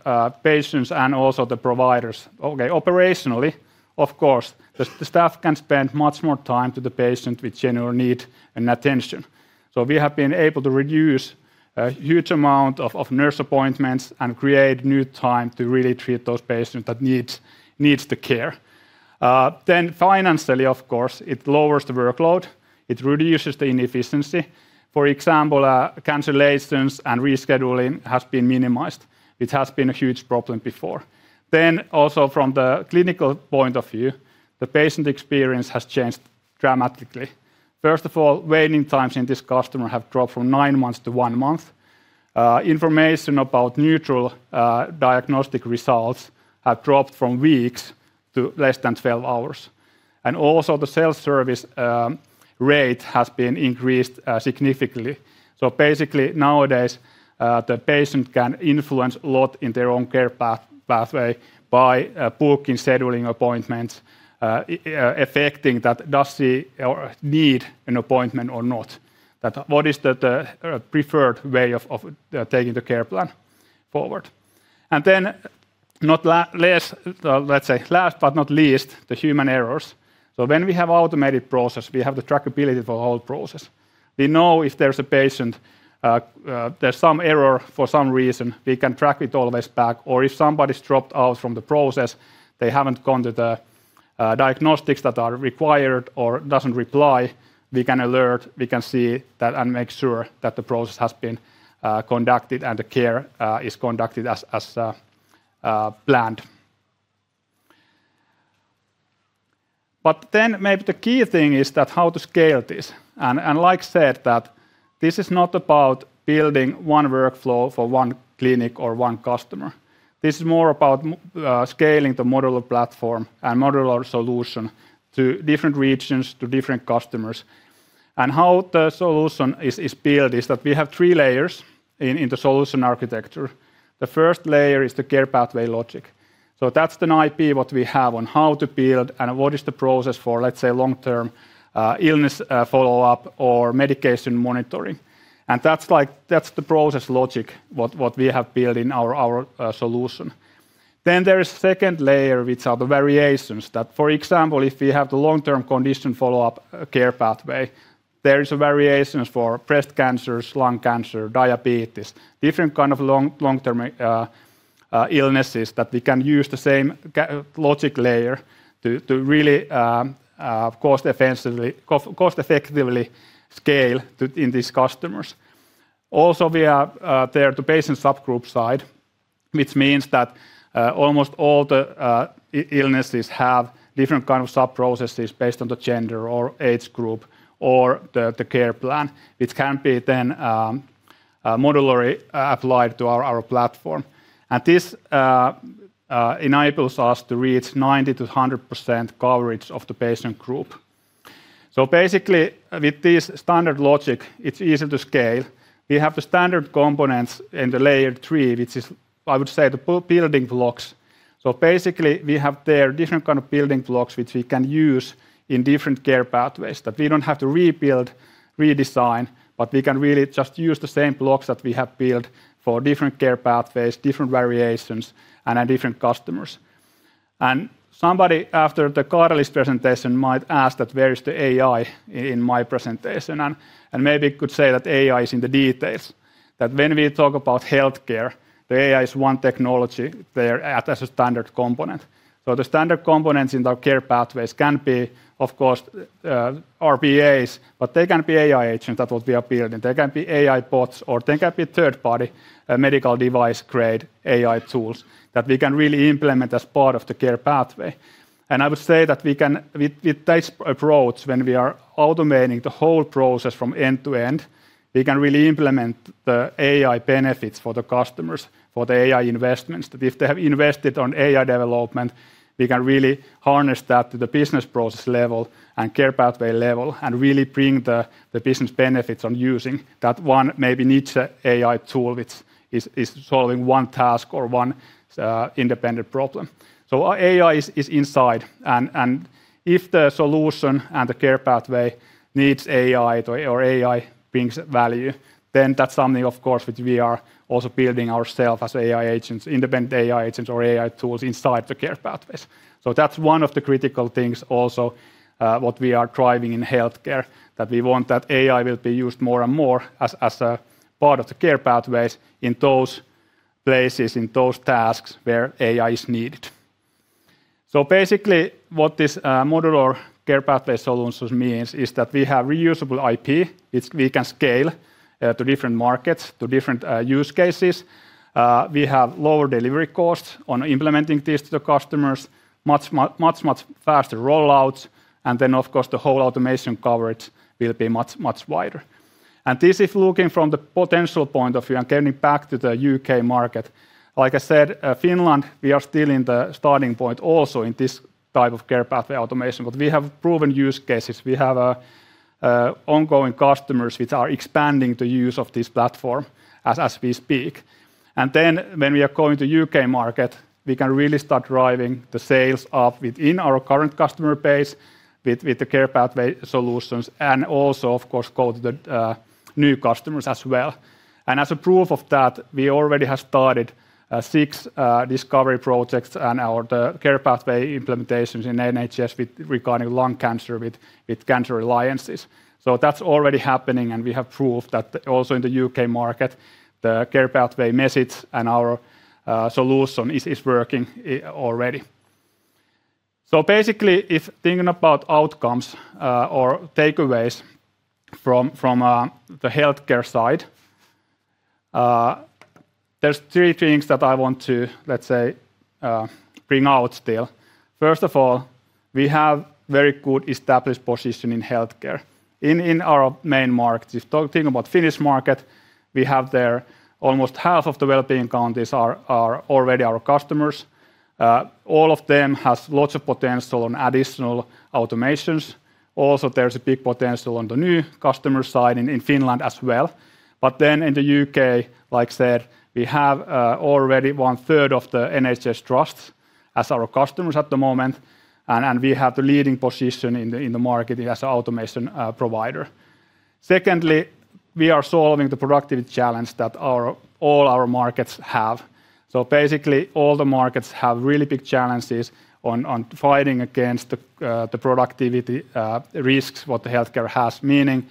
patients and also the providers. Operationally, of course, the staff can spend much more time to the patient with general need and attention. We have been able to reduce a huge amount of nurse appointments and create new time to really treat those patients that needs the care. Financially, of course, it lowers the workload, it reduces the inefficiency. For example, cancellations and rescheduling has been minimized, which has been a huge problem before. Also from the clinical point of view, the patient experience has changed dramatically. First of all, waiting times in this country have dropped from nine months to one month. Information about neutral diagnostic results have dropped from weeks to less than 12 hours. Also the self-service rate has been increased significantly. Basically, nowadays, the patient can influence a lot in their own care pathway by booking, scheduling appointments, affecting that does he or she need an appointment or not, that what is the preferred way of taking the care plan forward. Let's say last but not least, the human errors. When we have automated process, we have the trackability for all process. We know if there's some error for some reason, we can track it always back. Or if somebody's dropped out from the process, they haven't gone to the diagnostics that are required or doesn't reply, we can alert, we can see that and make sure that the process has been conducted and the care is conducted as planned. Maybe the key thing is that how to scale this. Like I said, this is not about building one workflow for one clinic or one customer. This is more about scaling the modular platform and modular solution to different regions, to different customers. How the solution is built is that we have three layers in the solution architecture. The first layer is the care pathway logic. So that's the IP what we have on how to build and what is the process for, let's say, long-term illness follow-up or medication monitoring. That's like the process logic what we have built in our solution. There is a second layer, which are the variations that, for example, if we have the long-term condition follow-up care pathway, there are variations for breast cancer, lung cancer, diabetes, different kind of long-term illnesses that we can use the same logic layer to really cost effectively scale to these customers. We have there the patient subgroup side, which means that almost all the illnesses have different kind of sub-processes based on the gender or age group or the care plan, which can be then modularly applied to our platform. This enables us to reach 90%-100% coverage of the patient group. Basically, with this standard logic, it's easy to scale. We have the standard components in the layer three, which is, I would say, the building blocks. Basically, we have there different kind of building blocks which we can use in different care pathways, that we don't have to rebuild, redesign, but we can really just use the same blocks that we have built for different care pathways, different variations, and different customers. Somebody after the Karli's presentation might ask that where is the AI in my presentation? Maybe could say that AI is in the details, that when we talk about healthcare, the AI is one technology there as a standard component. The standard components in the care pathways can be, of course, RPAs, but they can be AI Agent that would be applied, and they can be AI bots, or they can be third-party, medical device-grade AI tools that we can really implement as part of the care pathway. I would say that we can with this approach, when we are automating the whole process from end to end, we can really implement the AI benefits for the customers, for the AI investments. That if they have invested in AI development, we can really harness that to the business process level and care pathway level and really bring the business benefits of using that one maybe niche AI tool which is solving one task or one independent problem. AI is inside and if the solution and the Care Pathway needs AI or AI brings value, then that's something of course which we are also building ourselves as AI agents, independent AI Agents or AI tools inside the Care Pathways. That's one of the critical things also what we are driving in healthcare, that we want that AI will be used more and more as a part of the Care Pathways in those places, in those tasks where AI is needed. Basically, what this modular care pathway solutions means is that we have reusable IP, which we can scale to different markets, to different use cases. We have lower delivery costs on implementing this to the customers, much faster rollouts, and then of course the whole automation coverage will be much wider. This is looking from the potential point of view and getting back to the U.K. market. Like I said, Finland, we are still in the starting point also in this type of Care Pathway Automation. But we have proven use cases, we have ongoing customers which are expanding the use of this platform as we speak. Then when we are going to U.K. market, we can really start driving the sales up within our current customer base with the Care Pathway Solutions and also of course go to the new customers as well. As a proof of that, we already have started six discovery projects and the Care Pathway implementations in NHS with regard to lung cancer with Cancer Alliances. That's already happening, and we have proof that also in the U.K. market, the Care Pathway message and our solution is working already. Basically, if thinking about outcomes or takeaways from the healthcare side, there's three things that I want to, let's say, bring out still. First of all, we have very good established position in healthcare in our main markets. If talking about Finnish market, we have there almost half of the well-being counties are already our customers. All of them has lots of potential on additional automations. Also, there's a big potential on the new customer side in Finland as well. In the U.K., like said, we have already 1/3 of the NHS trusts as our customers at the moment, and we have the leading position in the market as automation provider. Secondly, we are solving the productivity challenge that all our markets have. Basically, all the markets have really big challenges on fighting against the productivity risks what the healthcare has, meaning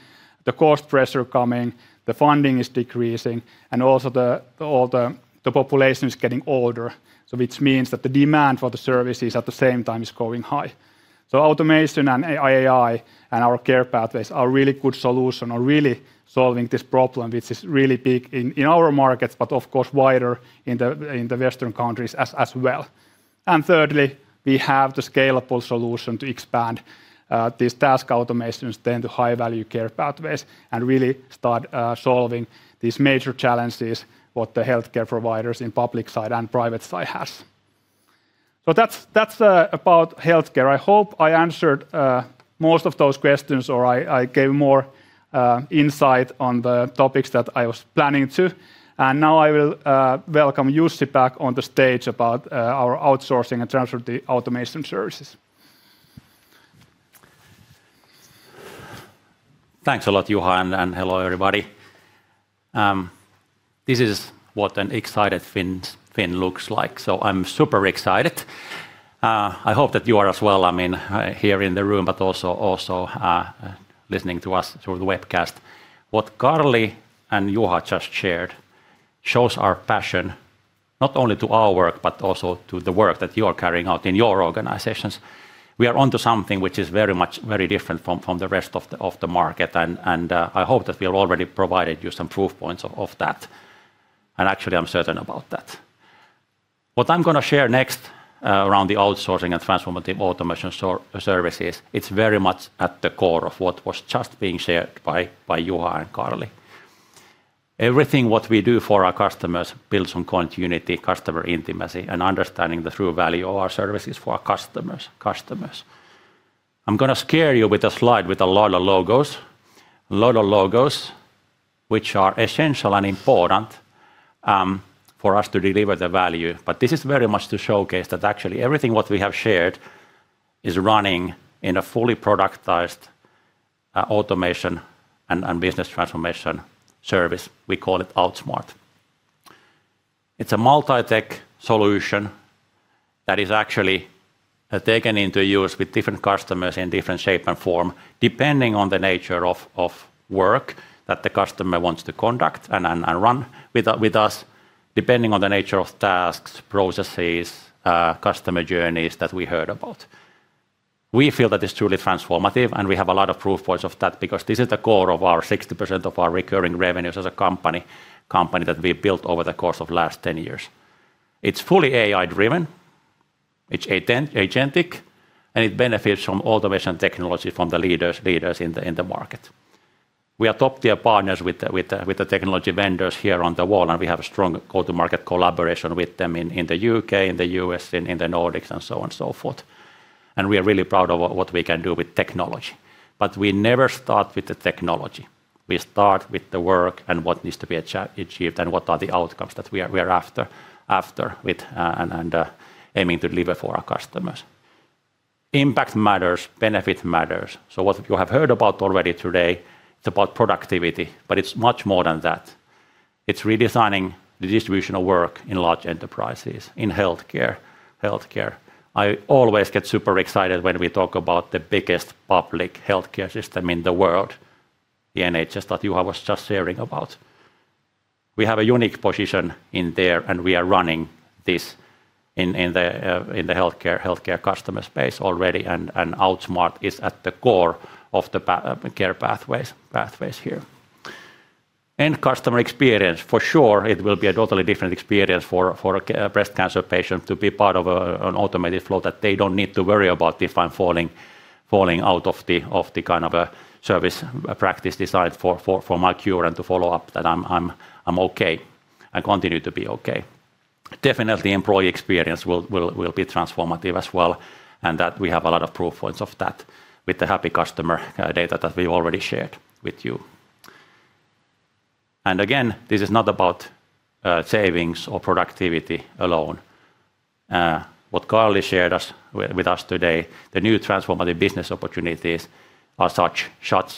the cost pressure coming, the funding is decreasing, and also the population is getting older, which means that the demand for the services at the same time is going high. Automation and AI and our Care Pathways are really good solution or really solving this problem, which is really big in our markets, but of course wider in the Western countries as well. Thirdly, we have the scalable solution to expand these task automations then to high-value Care Pathways and really start solving these major challenges what the healthcare providers in public side and private side has. That's about healthcare. I hope I answered most of those questions or I gave more insight on the topics that I was planning to. Now I will welcome Jussi back on the stage about our outsourcing and transfer the automation services. Thanks a lot, Juha, and hello, everybody. This is what an excited Finn looks like, so I'm super excited. I hope that you are as well, I mean, here in the room, but also listening to us through the webcast. What Karli and Juha just shared shows our passion not only to our work but also to the work that you are carrying out in your organizations. We are onto something which is very different from the rest of the market, and I hope that we have already provided you some proof points of that. Actually, I'm certain about that. What I'm gonna share next around the outsourcing and transformative automation services, it's very much at the core of what was just being shared by Juha and Karli. Everything what we do for our customers builds on continuity, customer intimacy, and understanding the true value of our services for our customers. I'm gonna scare you with a slide with a lot of logos. A lot of logos which are essential and important for us to deliver the value, but this is very much to showcase that actually everything what we have shared is running in a fully productized automation and business transformation service. We call it Outsmart. It's a multi-tech solution that is actually taken into use with different customers in different shape and form depending on the nature of work that the customer wants to conduct and run with us, depending on the nature of tasks, processes, customer journeys that we heard about. We feel that it's truly transformative, and we have a lot of proof points of that because this is the core of our 60% of our recurring revenues as a company that we built over the course of last 10 years. It's fully AI-driven, it's Agentic, and it benefits from automation technology from the leaders in the market. We are top-tier partners with the technology vendors here on the wall, and we have a strong go-to-market collaboration with them in the U.K., in the U.S., in the Nordics, and so on and so forth. We are really proud of what we can do with technology, but we never start with the technology. We start with the work and what needs to be achieved and what are the outcomes that we are after with aiming to deliver for our customers. Impact matters. Benefit matters. What you have heard about already today, it's about productivity, but it's much more than that. It's redesigning the distribution of work in large enterprises, in healthcare. I always get super excited when we talk about the biggest public healthcare system in the world, the NHS that Juha was just hearing about. We have a unique position in there, and we are running this in the healthcare customer space already, and Outsmart is at the core of the Care Pathways here. End customer experience, for sure. It will be a totally different experience for a breast cancer patient to be part of an automated flow that they don't need to worry about if I'm falling out of the kind of a service practice designed for my cure and to follow up that I'm okay and continue to be okay. Employee experience will be transformative as well, and we have a lot of proof points of that with the happy customer data that we already shared with you. This is not about savings or productivity alone. What Karli shared with us today, the new transformative business opportunities are such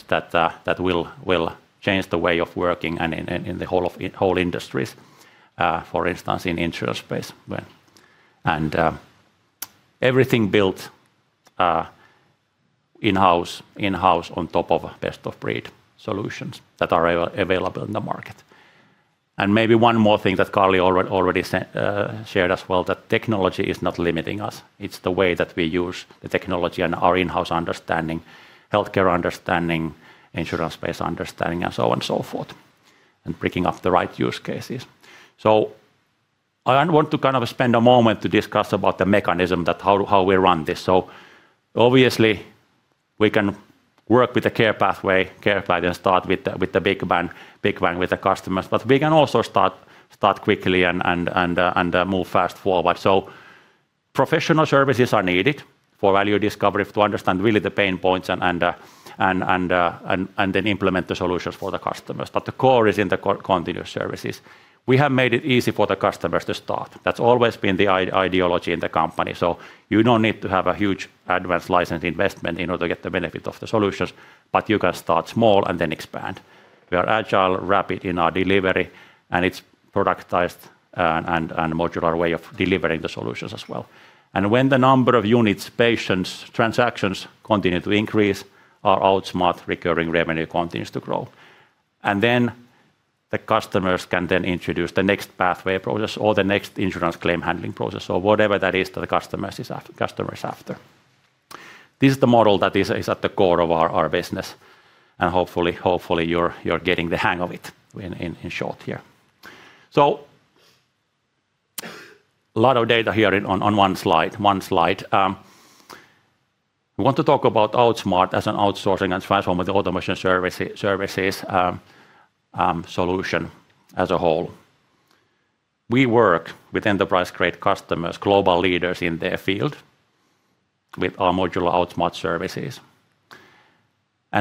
that will change the way of working and in the whole of. Whole industries, for instance, in insurance space. Everything built in-house on top of best-of-breed solutions that are available in the market. Maybe one more thing that Karli already said, shared as well, that technology is not limiting us. It's the way that we use the technology and our in-house understanding, healthcare understanding, insurance-based understanding, and so on and so forth, and picking up the right use cases. I want to kind of spend a moment to discuss about the mechanism that how we run this. Obviously we can work with the care pathway and start with the big bang with the customers. We can also start quickly and move fast forward. Professional services are needed for value discovery to understand really the pain points and then implement the solutions for the customers. The core is in the continuous services. We have made it easy for the customers to start. That's always been the ideology in the company. You don't need to have a huge advanced license investment in order to get the benefit of the solutions, but you can start small and then expand. We are agile, rapid in our delivery, and it's productized, modular way of delivering the solutions as well. When the number of units, patients, transactions continue to increase, our Outsmart recurring revenue continues to grow. Then the customers can introduce the next pathway process or the next insurance claim handling process or whatever that is that the customers are after. This is the model that is at the core of our business, and hopefully you're getting the hang of it in short here. A lot of data here on one slide. Want to talk about Outsmart as an outsourcing and transformation with the automation services solution as a whole. We work with enterprise-grade customers, global leaders in their field, with our modular Outsmart services.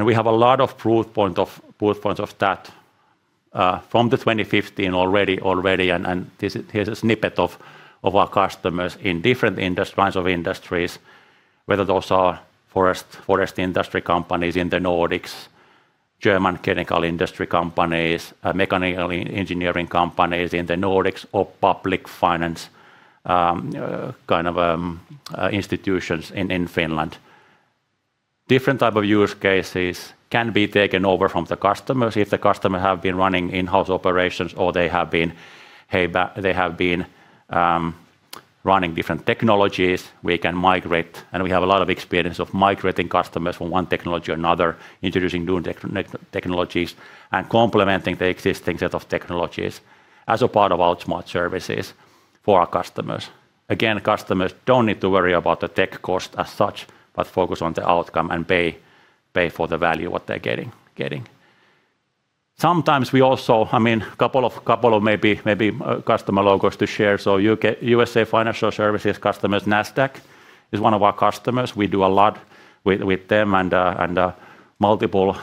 We have a lot of proof points of that from 2015 already. Here's a snippet of our customers in different industries, lines of industries, whether those are forest industry companies in the Nordics, German chemical industry companies, mechanical engineering companies in the Nordics or public finance kind of institutions in Finland. Different type of use cases can be taken over from the customers. If the customer have been running in-house operations or they have been running different technologies, we can migrate, and we have a lot of experience of migrating customers from one technology to another, introducing new technologies and complementing the existing set of technologies as a part of Outsmart services for our customers. Customers don't need to worry about the tech cost as such, but focus on the outcome and pay for the value what they're getting. Sometimes we also, I mean, couple of maybe customer logos to share. U.K. and USA Financial Services customers, Nasdaq is one of our customers. We do a lot with them, and multiple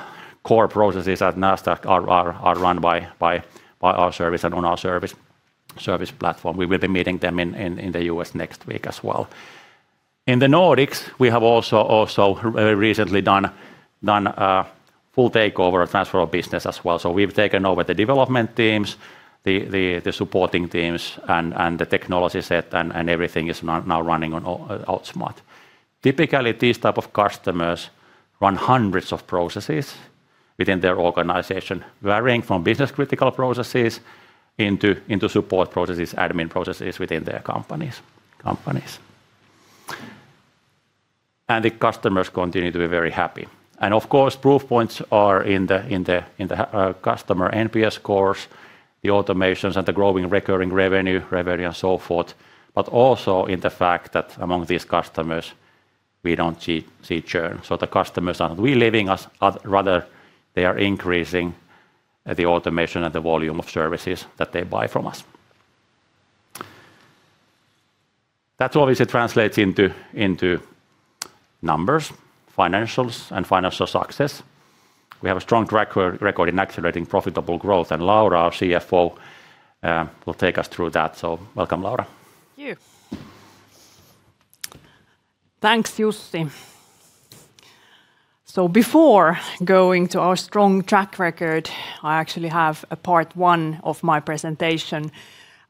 core processes at Nasdaq are run by our service and on our service platform. We will be meeting them in the U.S. next week as well. In the Nordics, we have also very recently done a full takeover of transfer of business as well. We've taken over the development teams, the supporting teams and the technology set and everything is now running on Outsmart. Typically, these type of customers run hundreds of processes within their organization, varying from business-critical processes into support processes, admin processes within their companies. The customers continue to be very happy. Of course, proof points are in the customer NPS scores, the automations and the growing recurring revenue and so forth, but also in the fact that among these customers we don't see churn. The customers are not leaving us. Rather, they are increasing the automation and the volume of services that they buy from us. That obviously translates into numbers, financials, and financial success. We have a strong record in accelerating profitable growth, and Laura, our CFO, will take us through that. Welcome, Laura. Thank you. Thanks, Jussi. Before going to our strong track record, I actually have a part one of my presentation,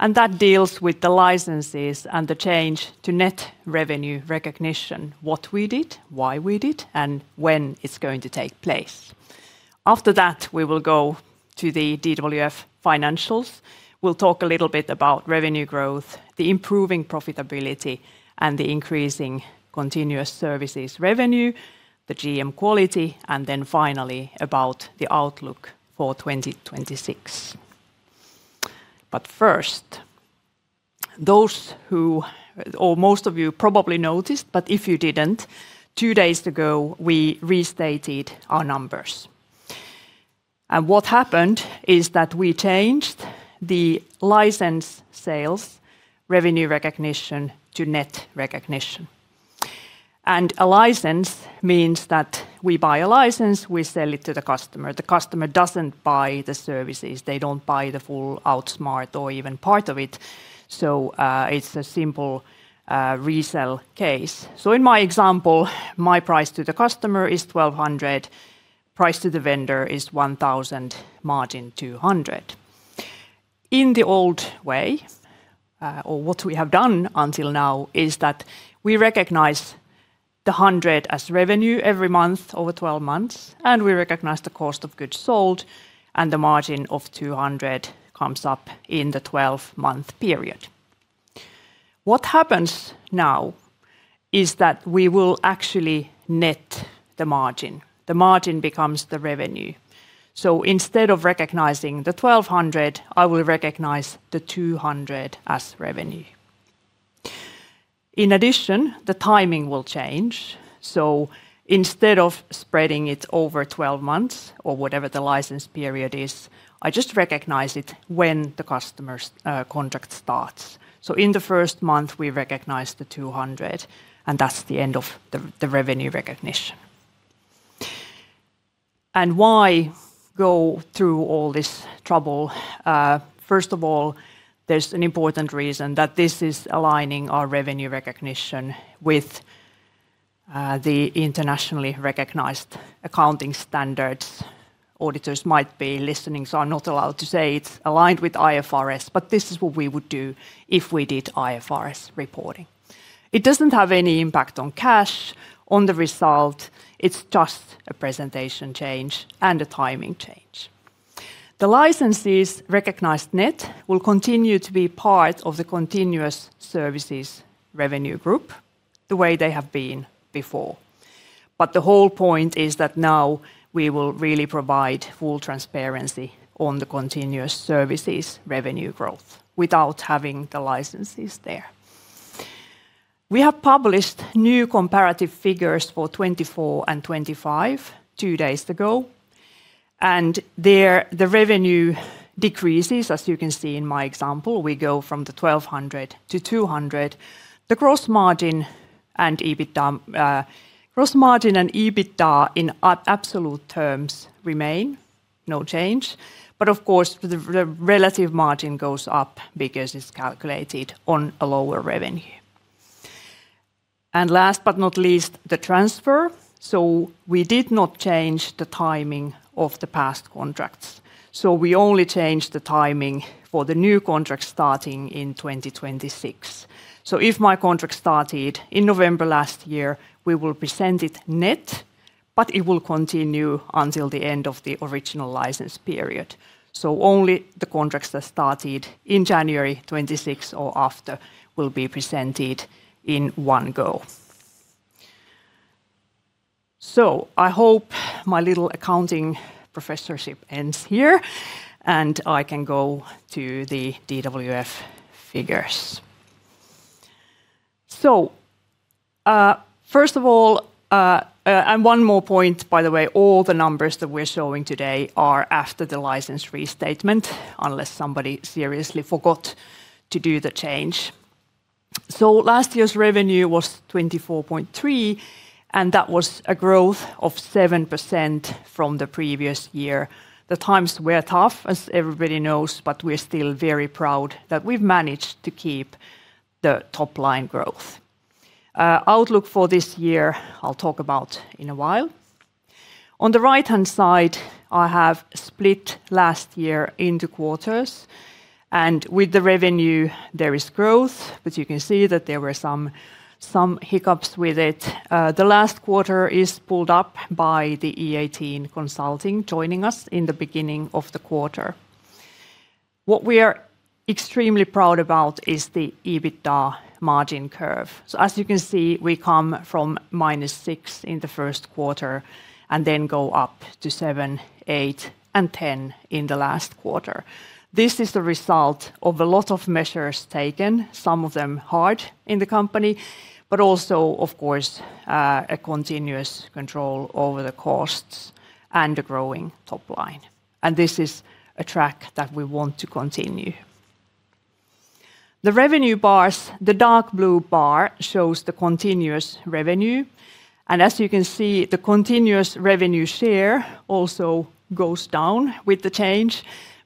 and that deals with the licenses and the change to net revenue recognition, what we did, why we did, and when it's going to take place. After that, we will go to the DWF financials. We'll talk a little bit about revenue growth, the improving profitability, and the increasing continuous services revenue, the GM quality, and then finally about the outlook for 2026. First, most of you probably noticed, but if you didn't, two days ago, we restated our numbers. What happened is that we changed the license sales revenue recognition to net recognition. A license means that we buy a license, we sell it to the customer. The customer doesn't buy the services. They don't buy the full Outsmart or even part of it. It's a simple resell case. In my example, my price to the customer is 1,200, price to the vendor is 1,000, margin 200. In the old way, or what we have done until now is that we recognize the 100 as revenue every month over 12 months, and we recognize the cost of goods sold, and the margin of 200 comes up in the 12-month period. What happens now is that we will actually net the margin. The margin becomes the revenue. Instead of recognizing the 1,200, I will recognize the 200 as revenue. In addition, the timing will change. Instead of spreading it over 12 months or whatever the license period is, I just recognize it when the customer's contract starts. In the first month, we recognize 200, and that's the end of the revenue recognition. Why go through all this trouble? First of all, there's an important reason that this is aligning our revenue recognition with the internationally recognized accounting standards. Auditors might be listening, so I'm not allowed to say it's aligned with IFRS, but this is what we would do if we did IFRS reporting. It doesn't have any impact on cash, on the result. It's just a presentation change and a timing change. The licenses recognized net will continue to be part of the continuous services revenue group, the way they have been before. The whole point is that now we will really provide full transparency on the continuous services revenue growth without having the licenses there. We have published new comparative figures for 2024 and 2025 two days ago, there the revenue decreases, as you can see in my example. We go from 1,200-200. The gross margin and EBITDA, gross margin and EBITDA in absolute terms remain, no change. Of course, the relative margin goes up because it's calculated on a lower revenue. Last but not least, the transfer. We did not change the timing of the past contracts. We only changed the timing for the new contract starting in 2026. If my contract started in November last year, we will present it net, but it will continue until the end of the original license period. Only the contracts that started in January 2026 or after will be presented in one go. I hope my little accounting professorship ends here, and I can go to the DWF figures. One more point, by the way, all the numbers that we're showing today are after the license restatement, unless somebody seriously forgot to do the change. Last year's revenue was 24.3, and that was a growth of 7% from the previous year. The times were tough, as everybody knows, but we're still very proud that we've managed to keep the top-line growth. Outlook for this year, I'll talk about in a while. On the right-hand side, I have split last year into quarters. With the revenue, there is growth, but you can see that there were some hiccups with it. The last quarter is pulled up by the e18 Innovation joining us in the beginning of the quarter. What we are extremely proud about is the EBITDA margin curve. As you can see, we come from -6% in the first quarter and then go up to -7%, -8%, and -10% in the last quarter. This is the result of a lot of measures taken, some of them hard in the company, but also, of course, a continuous control over the costs and the growing top line. This is a track that we want to continue. The revenue bars, the dark blue bar shows the continuous revenue. As you can see, the continuous revenue share also goes down with the change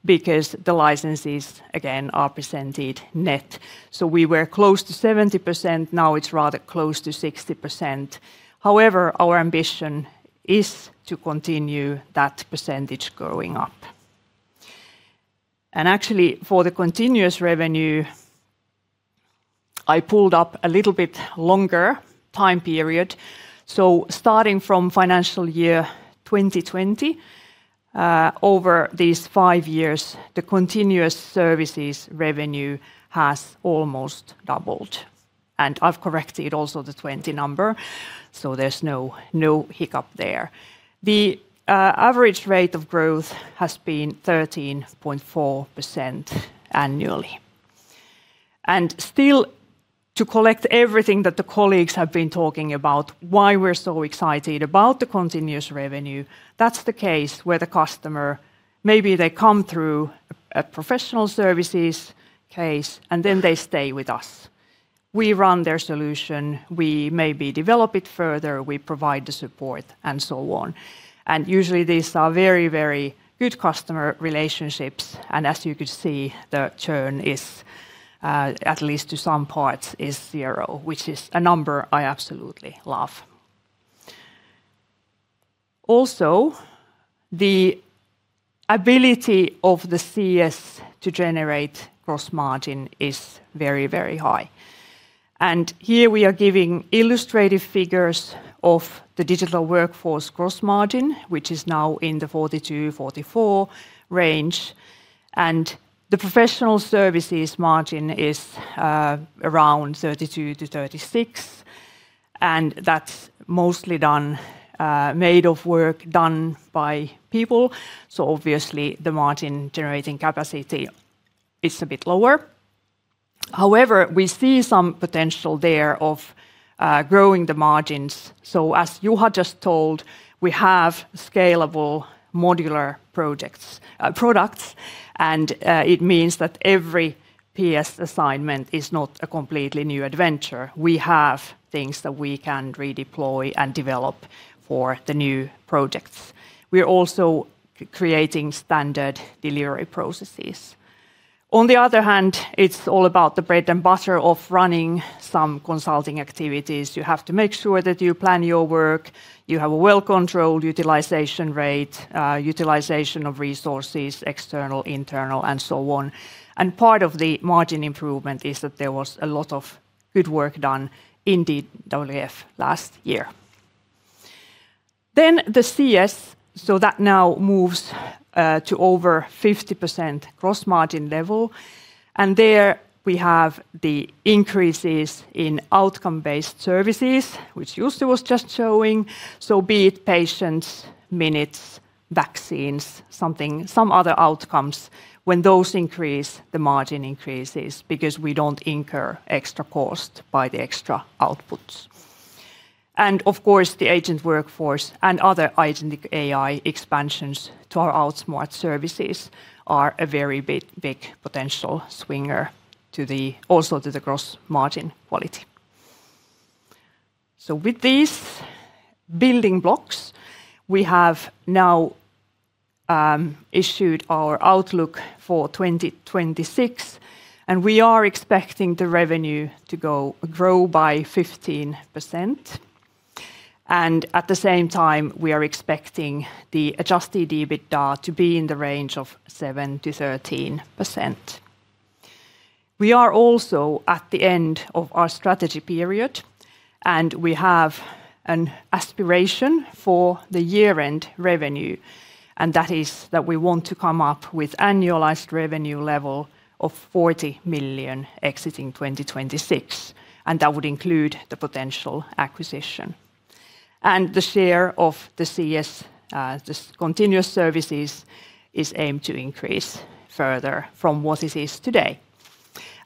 because the licenses, again, are presented net. We were close to 70%, now it's rather close to 60%. However, our ambition is to continue that percentage going up. Actually, for the continuous revenue, I pulled up a little bit longer time period. Starting from financial year 2020, over these five years, the continuous services revenue has almost doubled. I've corrected also the 2020 number, so there's no hiccup there. The average rate of growth has been 13.4% annually. Still, to collect everything that the colleagues have been talking about, why we're so excited about the continuous revenue, that's the case where the customer, maybe they come through a professional services case and then they stay with us. We run their solution, we maybe develop it further, we provide the support and so on. Usually these are very, very good customer relationships and as you could see, the churn is, at least to some parts, is zero, which is a number I absolutely love. Also, the ability of the CS to generate gross margin is very, very high. Here we are giving illustrative figures of the Digital Workforce gross margin, which is now in the 42%-44% range. The professional services margin is, around 32%-36%, and that's mostly done, made of work done by people. Obviously the margin generating capacity is a bit lower. However, we see some potential there of, growing the margins. As Juha just told, we have scalable modular projects, products, and, it means that every PS assignment is not a completely new adventure. We have things that we can redeploy and develop for the new projects. We're also creating standard delivery processes. On the other hand, it's all about the bread and butter of running some consulting activities. You have to make sure that you plan your work, you have a well-controlled utilization rate, utilization of resources, external, internal, and so on. Part of the margin improvement is that there was a lot of good work done in DWF last year. The CS, so that now moves to over 50% gross margin level, and there we have the increases in outcome-based services, which Jussi was just showing. Be it patients, minutes, vaccines, something, some other outcomes, when those increase, the margin increases because we don't incur extra cost by the extra outputs. Of course, the Agent Workforce and other Agentic AI expansions to our Outsmart services are a very big potential swinger to the, also to the gross margin quality. With these building blocks, we have now issued our outlook for 2026, and we are expecting the revenue to grow by 15%. At the same time, we are expecting the Adjusted EBITDA to be in the range of 7%-13%. We are also at the end of our strategy period, and we have an aspiration for the year-end revenue, and that is that we want to come up with annualized revenue level of 40 million exiting 2026, and that would include the potential acquisition. The share of the CS, the continuous services, is aimed to increase further from what it is today.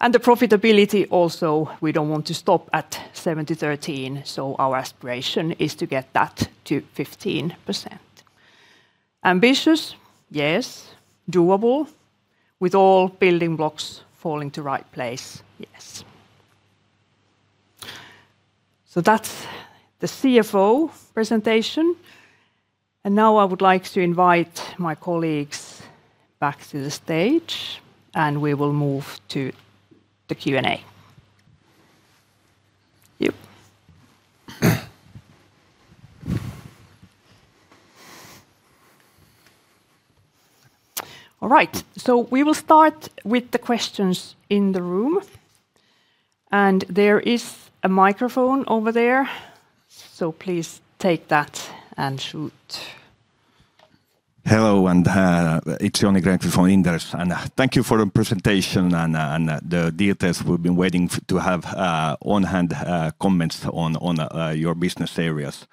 The profitability also, we don't want to stop at 7%-13%, so our aspiration is to get that to 15%. Ambitious? Yes. Doable? With all building blocks falling to right place, yes. That's the CFO presentation. Now I would like to invite my colleagues back to the stage, and we will move to the Q&A. Yep. All right. We will start with the questions in the room. There is a microphone over there, so please take that and shoot. Hello, it's Joni Grönqvist from Inderes. Thank you for the presentation and the details. We've been waiting to have on-hand comments on your business areas.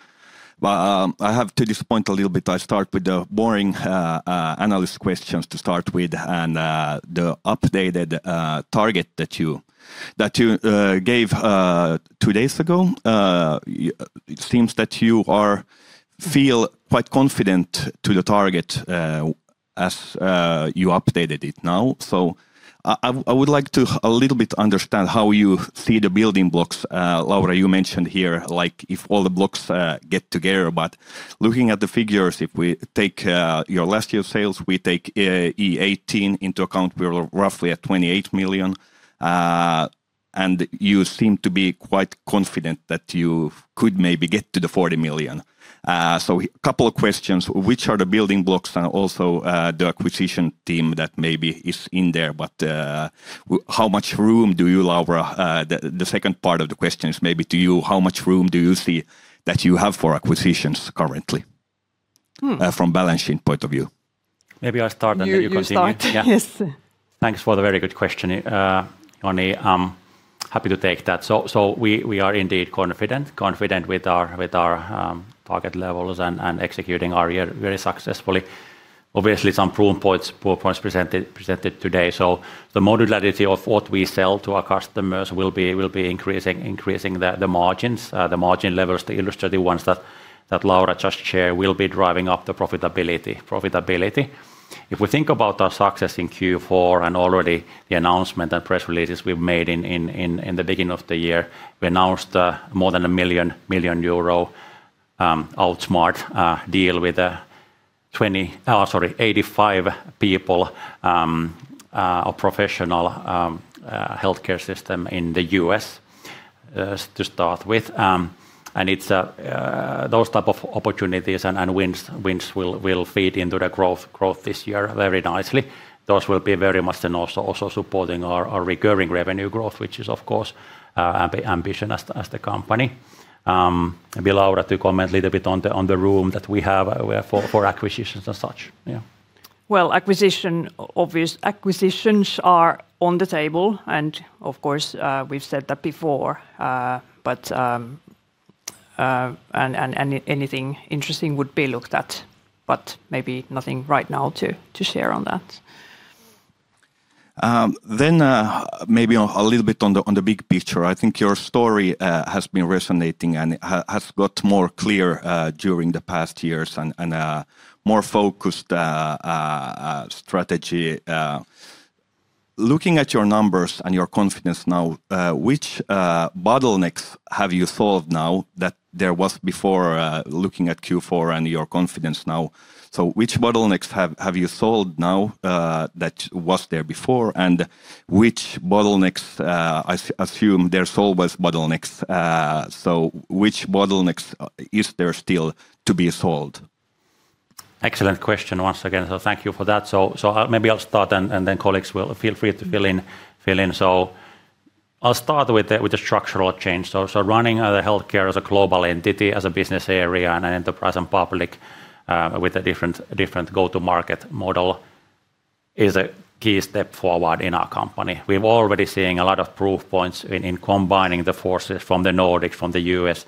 I have to disappoint a little bit. I start with the boring analyst questions to start with and the updated target that you gave two days ago. It seems that you feel quite confident to the target as you updated it now. I would like to a little bit understand how you see the building blocks? Laura, you mentioned here, like if all the blocks get together, but looking at the figures, if we take your last year sales, we take e18 into account, we're roughly at 28 million. You seem to be quite confident that you could maybe get to 40 million. Couple of questions, which are the building blocks and also the acquisition team that maybe is in there, but how much room do you allow, the second part of the question is how much room do you see that you have for acquisitions currently? Mm. From balance sheet point of view? Maybe I start and then you continue. You start. Yes. Thanks for the very good question, Joni. I'm happy to take that. We are indeed confident with our target levels and executing our year very successfully. Obviously, some PowerPoints presented today. The modularity of what we sell to our customers will be increasing the margins, the margin levels, the industry ones that Laura just shared will be driving up the profitability. If we think about our success in Q4 and already the announcement and press releases we've made in the beginning of the year, we announced more than 1 million euro Outsmart deal with 85-person professional healthcare system in the U.S. to start with. It's those type of opportunities and wins will feed into the growth this year very nicely. Those will be very much also supporting our recurring revenue growth, which is of course our ambition as the company. Maybe Laura to comment a little bit on the room that we have for acquisitions and such. Yeah. Well, acquisitions are on the table, and of course, we've said that before. Anything interesting would be looked at, but maybe nothing right now to share on that. Maybe a little bit on the big picture. I think your story has been resonating and has got more clear during the past years and more focused strategy. Looking at your numbers and your confidence now, which bottlenecks have you solved now that there was before, looking at Q4 and your confidence now? Which bottlenecks have you solved now that was there before? Which bottlenecks, I assume there's always bottlenecks, which bottlenecks is there still to be solved? Excellent question once again. Thank you for that. Maybe I'll start and then colleagues will feel free to fill in. I'll start with the structural change. Running healthcare as a global entity, as a business area and enterprise and public, with a different go-to-market model is a key step forward in our company. We're already seeing a lot of proof points in combining the forces from the Nordic, from the U.S.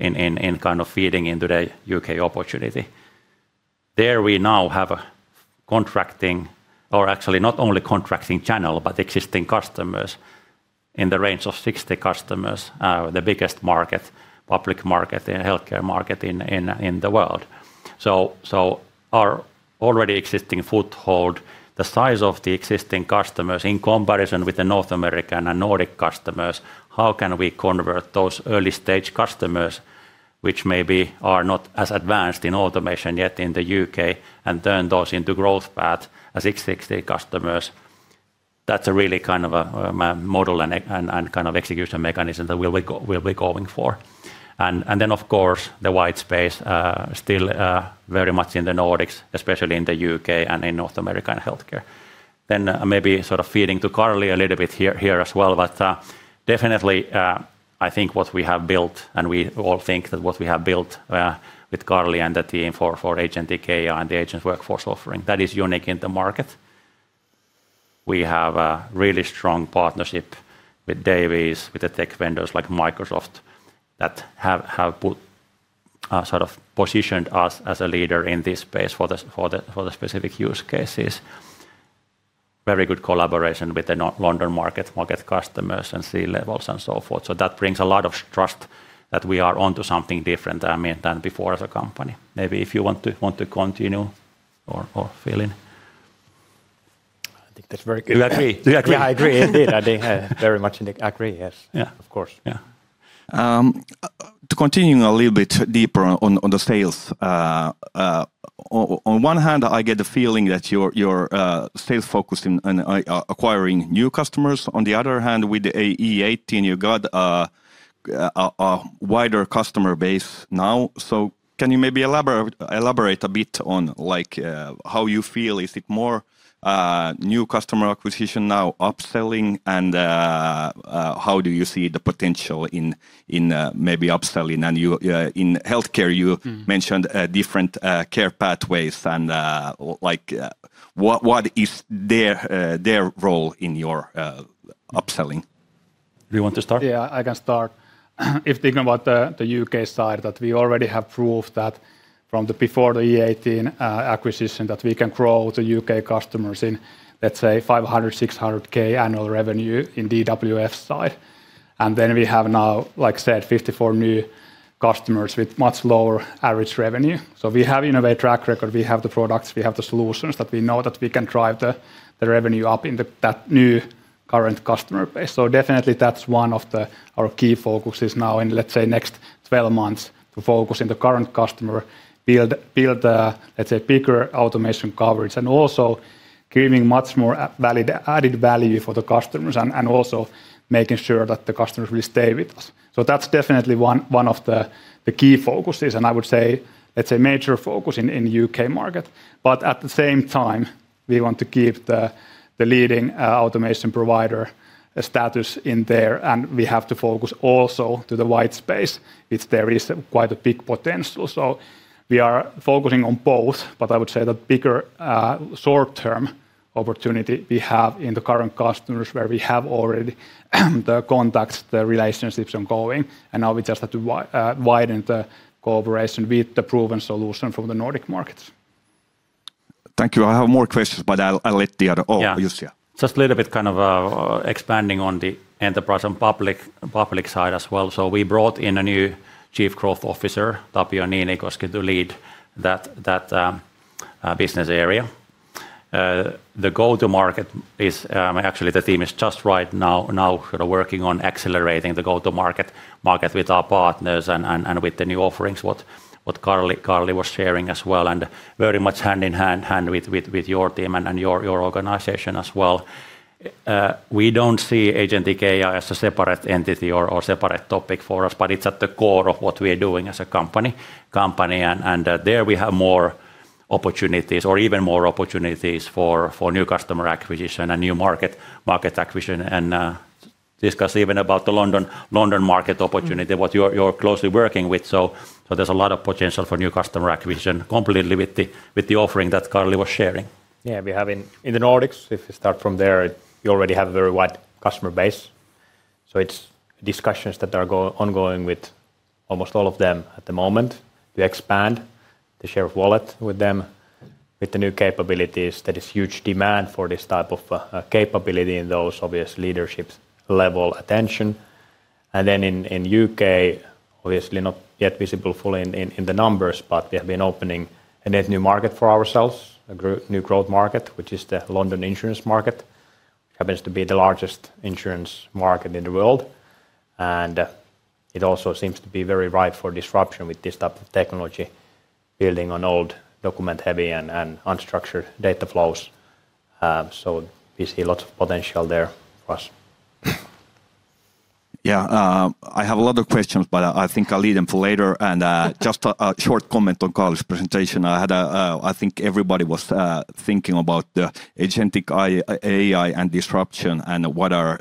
in kind of feeding into the U.K. opportunity. There, we now have a contracting or actually not only contracting channel, but existing customers in the range of 60 customers, the biggest market, public market in healthcare market in the world. Our already existing foothold, the size of the existing customers in comparison with the North American and Nordic customers, how can we convert those early-stage customers, which maybe are not as advanced in automation yet in the U.K., and turn those into growth path as existing customers? That's a really kind of a model and kind of execution mechanism that we'll be going for. Of course, the white space still very much in the Nordics, especially in the U.K. and in North American healthcare. Maybe sort of feeding to Karli a little bit here as well. Definitely, I think what we have built with Karli and the team for Agentic AI and the Agent Workforce offering, that is unique in the market. We have a really strong partnership with Davies, with the tech vendors like Microsoft that have put sort of positioned us as a leader in this space for the specific use cases. Very good collaboration with the non-London market customers and C-levels and so forth. That brings a lot of trust that we are onto something different, I mean, than before as a company. Maybe if you want to continue or fill in. I think that's very good. You agree? Yeah, I agree. Indeed, I think, very much indeed, agree. Yes. Yeah. Of course. Yeah. To continue a little bit deeper on the sales. On one hand, I get the feeling that your sales focus in acquiring new customers. On the other hand, with e18, you got a wider customer base now. Can you maybe elaborate a bit on like how you feel? Is it more new customer acquisition now upselling and how do you see the potential in maybe upselling? Mm-hmm In healthcare, you mentioned different care pathways and, like, what is their role in your upselling? Do you want to start? Yeah, I can start. If thinking about the U.K. side, that we already have proof that from before the e18 acquisition, that we can grow the U.K. customers in, let's say, 500,000-600,000 annual revenue in DWF side. Then we have now, like I said, 54 new customers with much lower average revenue. We have innovative track record, we have the products, we have the solutions that we know that we can drive the revenue up in that new current customer base. Definitely that's one of our key focuses now in, let's say, next 12 months to focus in the current customer, build the bigger automation coverage and also giving much more added value for the customers and also making sure that the customers will stay with us. That's definitely one of the key focuses, and I would say it's a major focus in U.K. market. At the same time, we want to keep the leading automation provider status in there, and we have to focus also to the white space if there is quite a big potential. We are focusing on both, but I would say the bigger short-term opportunity we have in the current customers where we have already the contacts, the relationships ongoing, and now we just have to widen the cooperation with the proven solution from the Nordic markets. Thank you. I have more questions, but I'll let the other. Oh, Jussi. Yeah. Just a little bit kind of expanding on the enterprise and public side as well. We brought in a new Chief Growth Officer, Tapio Niinikoski, to lead that business area. The go-to-market is actually the team is just right now sort of working on accelerating the go-to-market with our partners and with the new offerings what Karli was sharing as well, and very much hand in hand with your team and your organization as well. We don't see Agentic AI as a separate entity or separate topic for us, but it's at the core of what we're doing as a company and there we have more opportunities or even more opportunities for new customer acquisition and new market acquisition and discuss even about the London market opportunity what you're closely working with. There's a lot of potential for new customer acquisition completely with the offering that Karli was sharing. Yeah, we have in the Nordics, if you start from there, you already have a very wide customer base. It's discussions that are ongoing with almost all of them at the moment to expand the share of wallet with them with the new capabilities. There is huge demand for this type of capability in those obvious leadership level attention. Then in U.K., obviously not yet visible fully in the numbers, but we have been opening a net new market for ourselves, a new growth market, which is the London insurance market, happens to be the largest insurance market in the world. It also seems to be very ripe for disruption with this type of technology building on old document-heavy and unstructured data flows. We see lots of potential there for us. Yeah. I have a lot of questions, but I think I'll leave them for later. Just a short comment on Karli's presentation. I think everybody was thinking about the Agentic AI and disruption and what our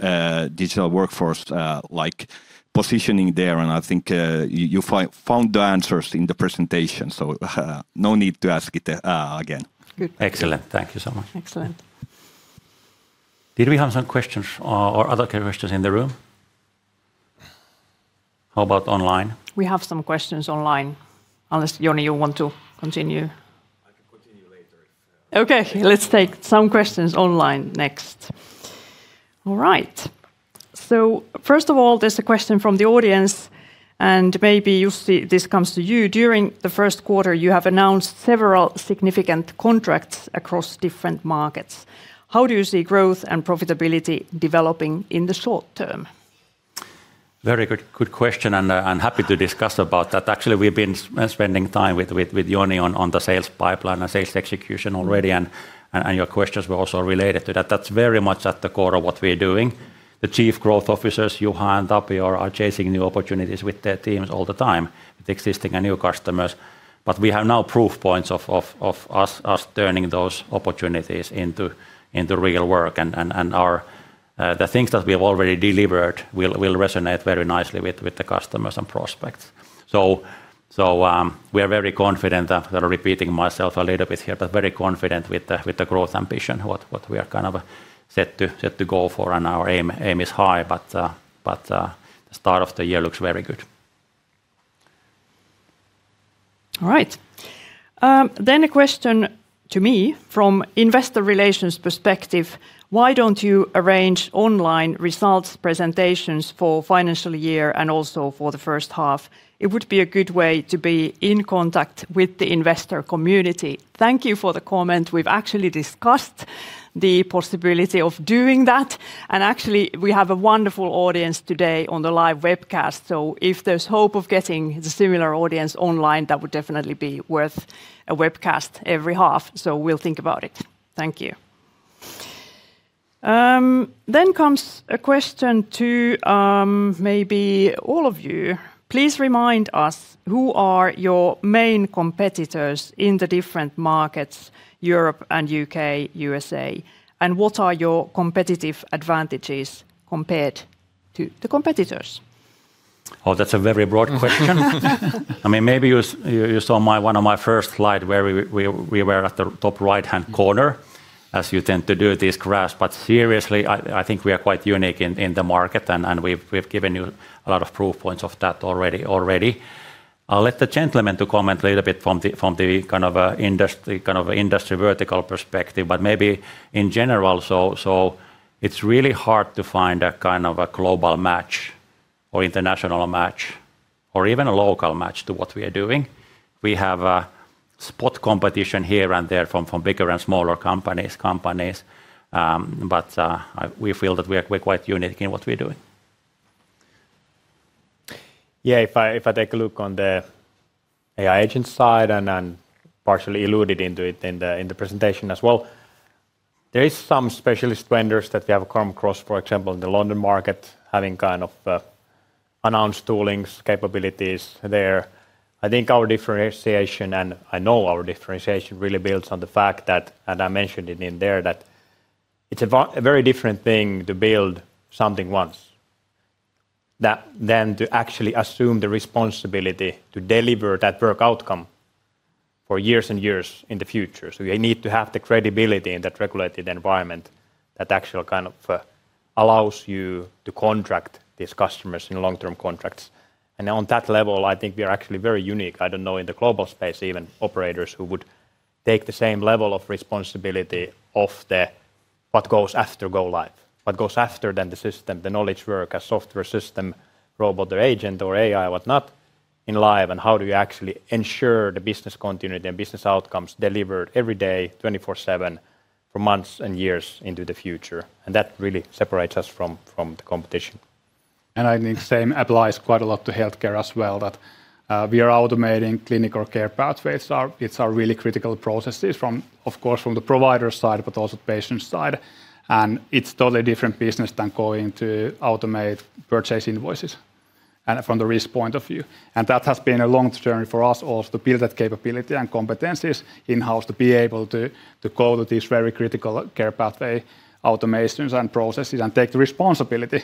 Digital Workforce like positioning there. I think you found the answers in the presentation, so no need to ask it again. Good. Excellent. Thank you so much. Excellent. Did we have some questions or other questions in the room? How about online? We have some questions online, unless, Joni, you want to continue. [AUDIO DISTORTION] Okay. Let's take some questions online next. All right. First of all, there's a question from the audience, and maybe, Jussi, this comes to you. During the first quarter, you have announced several significant contracts across different markets. How do you see growth and profitability developing in the short term? Very good question. I'm happy to discuss about that. Actually, we've been spending time with Joni on the sales pipeline and sales execution already and your questions were also related to that. That's very much at the core of what we're doing. The Chief Growth Officers, Juha and Tapio, are chasing new opportunities with their teams all the time with existing and new customers. We have now proof points of us turning those opportunities into real work and the things that we have already delivered will resonate very nicely with the customers and prospects. We are very confident. I'm sort of repeating myself a little bit here, but very confident with the growth ambition, what we are kind of set to go for, and our aim is high, but the start of the year looks very good. All right. A question to me from investor relations perspective: Why don't you arrange online results presentations for financial year and also for the first half? It would be a good way to be in contact with the investor community. Thank you for the comment. We've actually discussed the possibility of doing that, and actually we have a wonderful audience today on the live webcast. If there's hope of getting the similar audience online, that would definitely be worth a webcast every half. We'll think about it. Thank you. Comes a question to, maybe all of you. Please remind us who are your main competitors in the different markets, Europe and U.K., USA, and what are your competitive advantages compared to the competitors? Oh, that's a very broad question. I mean, maybe you saw one of my first slide where we were at the top right-hand corner as you tend to do these graphs. Seriously, I think we are quite unique in the market, and we've given you a lot of proof points of that already. I'll let the gentleman comment little bit from the kind of industry vertical perspective, but maybe in general. It's really hard to find a kind of a global match or international match or even a local match to what we are doing. We have spot competition here and there from bigger and smaller companies, but we feel that we're quite unique in what we're doing. Yeah. If I take a look on the AI Agent side, I'm partially alluded to it in the presentation as well. There is some specialist vendors that we have come across, for example, in the London market, having kind of announced tooling capabilities there. I think our differentiation, and I know our differentiation really builds on the fact that, and I mentioned it in there, that it's a very different thing to build something once than to actually assume the responsibility to deliver that work outcome for years and years in the future. You need to have the credibility in that regulated environment that actually kind of allows you to contract these customers in long-term contracts. On that level, I think we are actually very unique. I don't know, in the global space even, operators who would take the same level of responsibility for what goes after go live, what goes after then the system, knowledge work as software, robot or agent or AI, whatnot, live, and how do you actually ensure the business continuity and business outcomes delivered every day 24/7 for months and years into the future, and that really separates us from the competition. I think same applies quite a lot to healthcare as well, that we are automating clinical care pathways. It's our really critical processes from, of course, from the provider side, but also patient side, and it's totally different business than going to automate purchase invoices and from the risk point of view. That has been a long journey for us also to build that capability and competencies in-house to be able to go to these very critical care pathway automations and processes and take the responsibility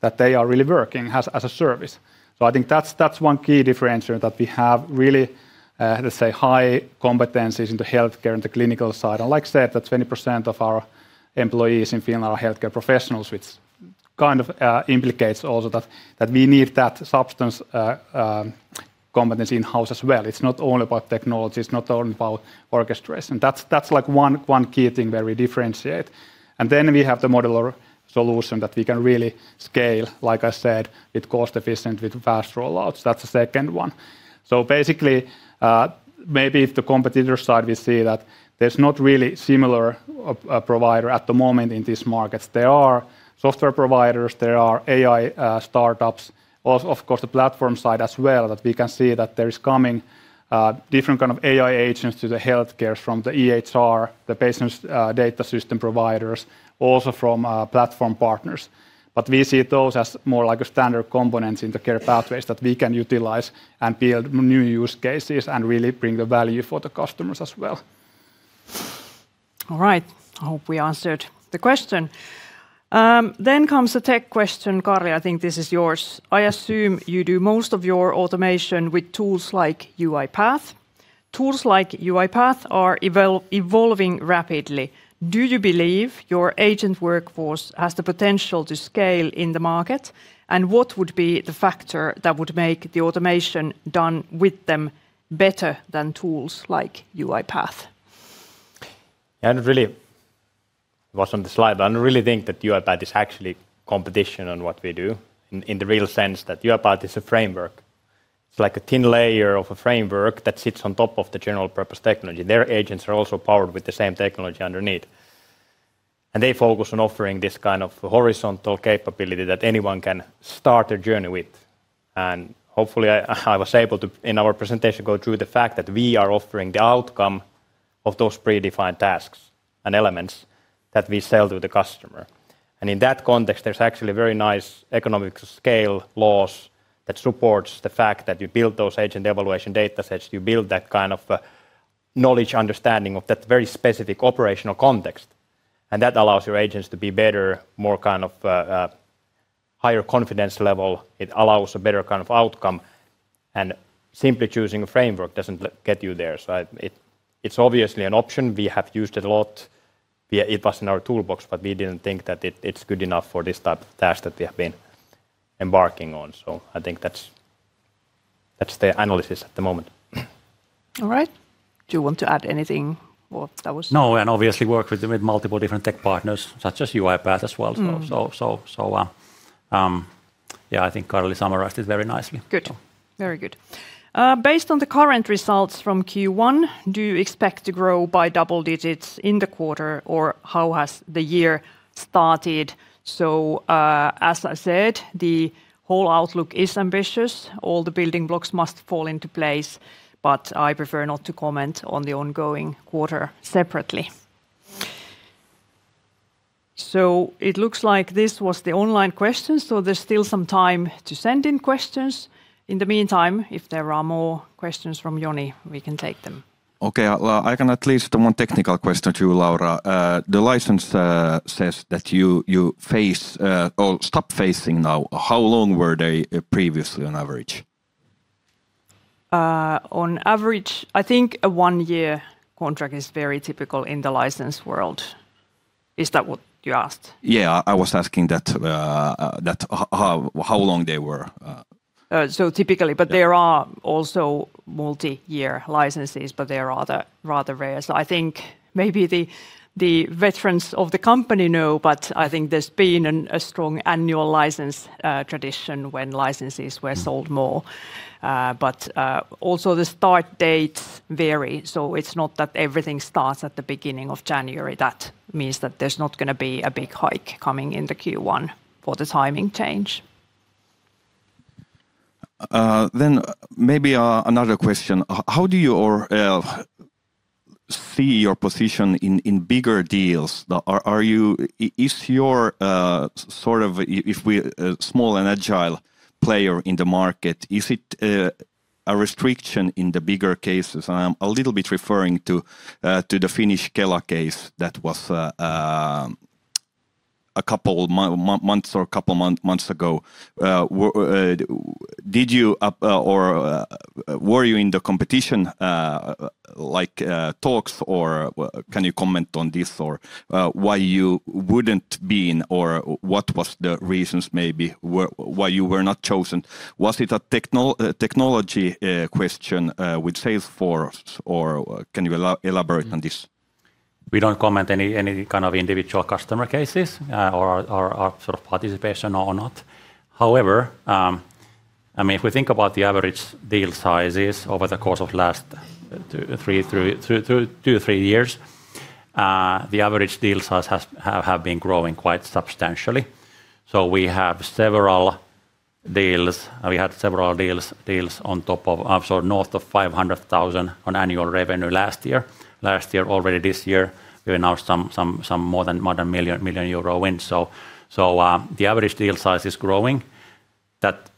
that they are really working as a service. I think that's one key differentiator that we have really, let's say, high competencies in the healthcare and the clinical side. As I said, 20% of our employees in Finland are healthcare professionals, which kind of implicates also that we need that substantive competency in-house as well. It's not only about technology, it's not only about orchestration. That's like one key thing where we differentiate. Then we have the modular solution that we can really scale, like I said, with cost efficient, with fast rollouts. That's the second one. Basically, maybe on the competitor side we see that there's not really similar a provider at the moment in these markets. There are software providers, there are AI startups, also of course, the platform side as well that we can see that there is coming kind of AI Agents to the healthcare from the EHR, the patient's data system providers, also from platform partners. We see those as more like a standard components in the care pathways that we can utilize and build new use cases and really bring the value for the customers as well. All right. I hope we answered the question. Comes a tech question. Karli, I think this is yours. I assume you do most of your automation with tools like UiPath. Tools like UiPath are evolving rapidly. Do you believe your Agent Workforce has the potential to scale in the market, and what would be the factor that would make the automation done with them better than tools like UiPath? Yeah. Really it was on the slide, but I don't really think that UiPath is actually competition on what we do in the real sense that UiPath is a framework. It's like a thin layer of a framework that sits on top of the general purpose technology. Their agents are also powered with the same technology underneath, and they focus on offering this kind of horizontal capability that anyone can start a journey with. Hopefully, I was able to, in our presentation, go through the fact that we are offering the outcome of those predefined tasks and elements that we sell to the customer. In that context, there's actually very nice economies of scale that supports the fact that you build those agent evaluation datasets, you build that kind of knowledge understanding of that very specific operational context, and that allows your agents to be better, more kind of higher confidence level. It allows a better kind of outcome. Simply choosing a framework doesn't get you there. It, it's obviously an option. We have used it a lot. It was in our toolbox, but we didn't think that it's good enough for this type of task that we have been embarking on. I think that's the analysis at the moment. All right. Do you want to add anything? No, obviously work with multiple different tech partners such as UiPath as well. Mm. Yeah, I think Karli summarized it very nicely. Good. Very good. Based on the current results from Q1, do you expect to grow by double digits in the quarter, or how has the year started? As I said, the whole outlook is ambitious. All the building blocks must fall into place, but I prefer not to comment on the ongoing quarter separately. It looks like this was the online question, so there's still some time to send in questions. In the meantime, if there are more questions from Joni, we can take them. Well, I can ask at least one technical question to you, Laura. The license says that you phase or stop phasing now. How long were they previously on average? On average, I think a one-year contract is very typical in the license world. Is that what you asked? Yeah, I was asking that how long they were? Typically. There are also multi-year licenses, but they are rather rare. I think maybe the veterans of the company know, but I think there's been a strong annual license tradition when licenses were sold more. Also the start dates vary, so it's not that everything starts at the beginning of January. That means that there's not gonna be a big hike coming in the Q1 for the timing change. Maybe another question. How do you see your position in bigger deals? Are you a small and agile player in the market, is it a restriction in the bigger cases? I'm a little bit referring to the Finnish Kela case that was a couple of months ago. Were you in the competition like talks or can you comment on this or why you wouldn't be in or what was the reasons maybe why you were not chosen? Was it a technology question with Salesforce or can you elaborate on this? We don't comment on any kind of individual customer cases or sort of participation or not. However, I mean, if we think about the average deal sizes over the course of the last two or three years, the average deal size has been growing quite substantially. We have several deals, and we had several deals on top of. North of 500,000 in annual revenue last year. Already this year, we are now some more than 1 million euro in. The average deal size is growing.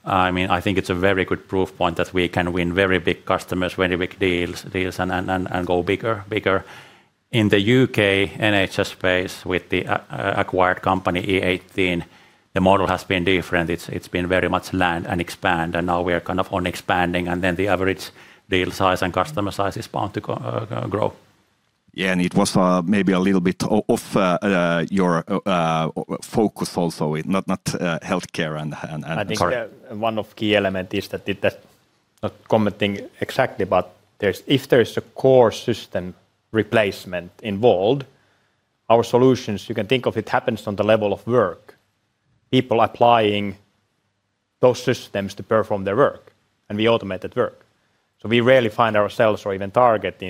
I mean, I think it's a very good proof point that we can win very big customers, very big deals and go bigger. In the U.K. NHS space with the acquired company, e18 Innovation, the model has been different. It's been very much land and expand, and now we are kind of on expanding, and then the average deal size and customer size is bound to grow. Yeah, and it was maybe a little bit of your focus also. [CROSSTALK] I think, yeah, one of the key elements is that the. Not commenting exactly, but there's. If there's a core system replacement involved, our solutions, you can think of it happens on the level of work. People applying those systems to perform their work, and we automate work. We rarely find ourselves or even target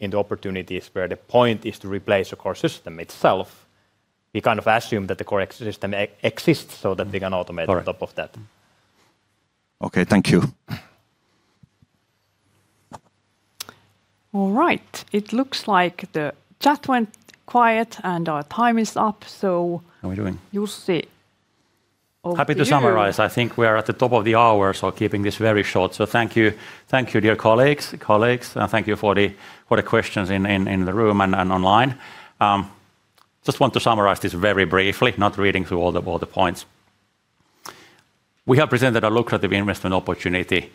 in the opportunities where the point is to replace a core system itself. We kind of assume that the core system exists so that we can automate on top of that. Okay. Thank you. All right. It looks like the chat went quiet and our time is up. [CROSSTALK] Jussi, over to you. Happy to summarize. I think we are at the top of the hour, so keeping this very short. Thank you, dear colleagues, and thank you for the questions in the room and online. Just want to summarize this very briefly, not reading through all the points. We have presented a lucrative investment opportunity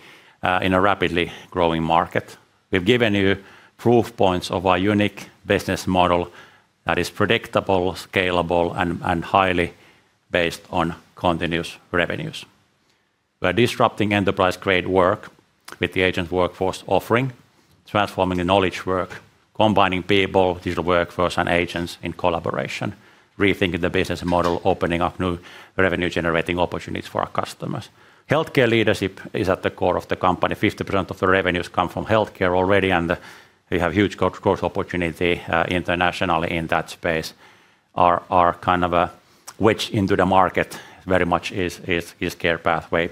in a rapidly growing market. We've given you proof points of our unique business model that is predictable, scalable, and highly based on continuous revenues. We're disrupting enterprise-grade work with the Agent Workforce offering, transforming the knowledge work, combining people, Digital Workforce, and agents in collaboration, rethinking the business model, opening up new revenue-generating opportunities for our customers. Healthcare leadership is at the core of the company. 50% of the revenues come from healthcare already, and we have huge growth opportunity internationally in that space. Our kind of way into the market very much is care pathway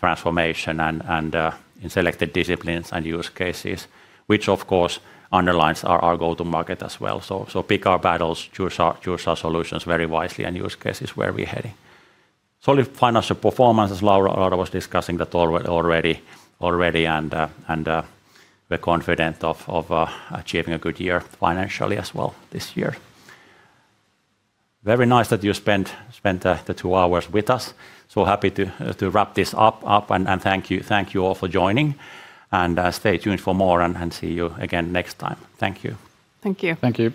transformation and in selected disciplines and use cases, which of course underlines our go-to-market as well. Pick our battles, choose our solutions very wisely and use cases where we're heading. Solid financial performance, as Laura was discussing that already and we're confident of achieving a good year financially as well this year. Very nice that you spent the two hours with us, so happy to wrap this up and thank you all for joining. Stay tuned for more and see you again next time. Thank you. Thank you. Thank you.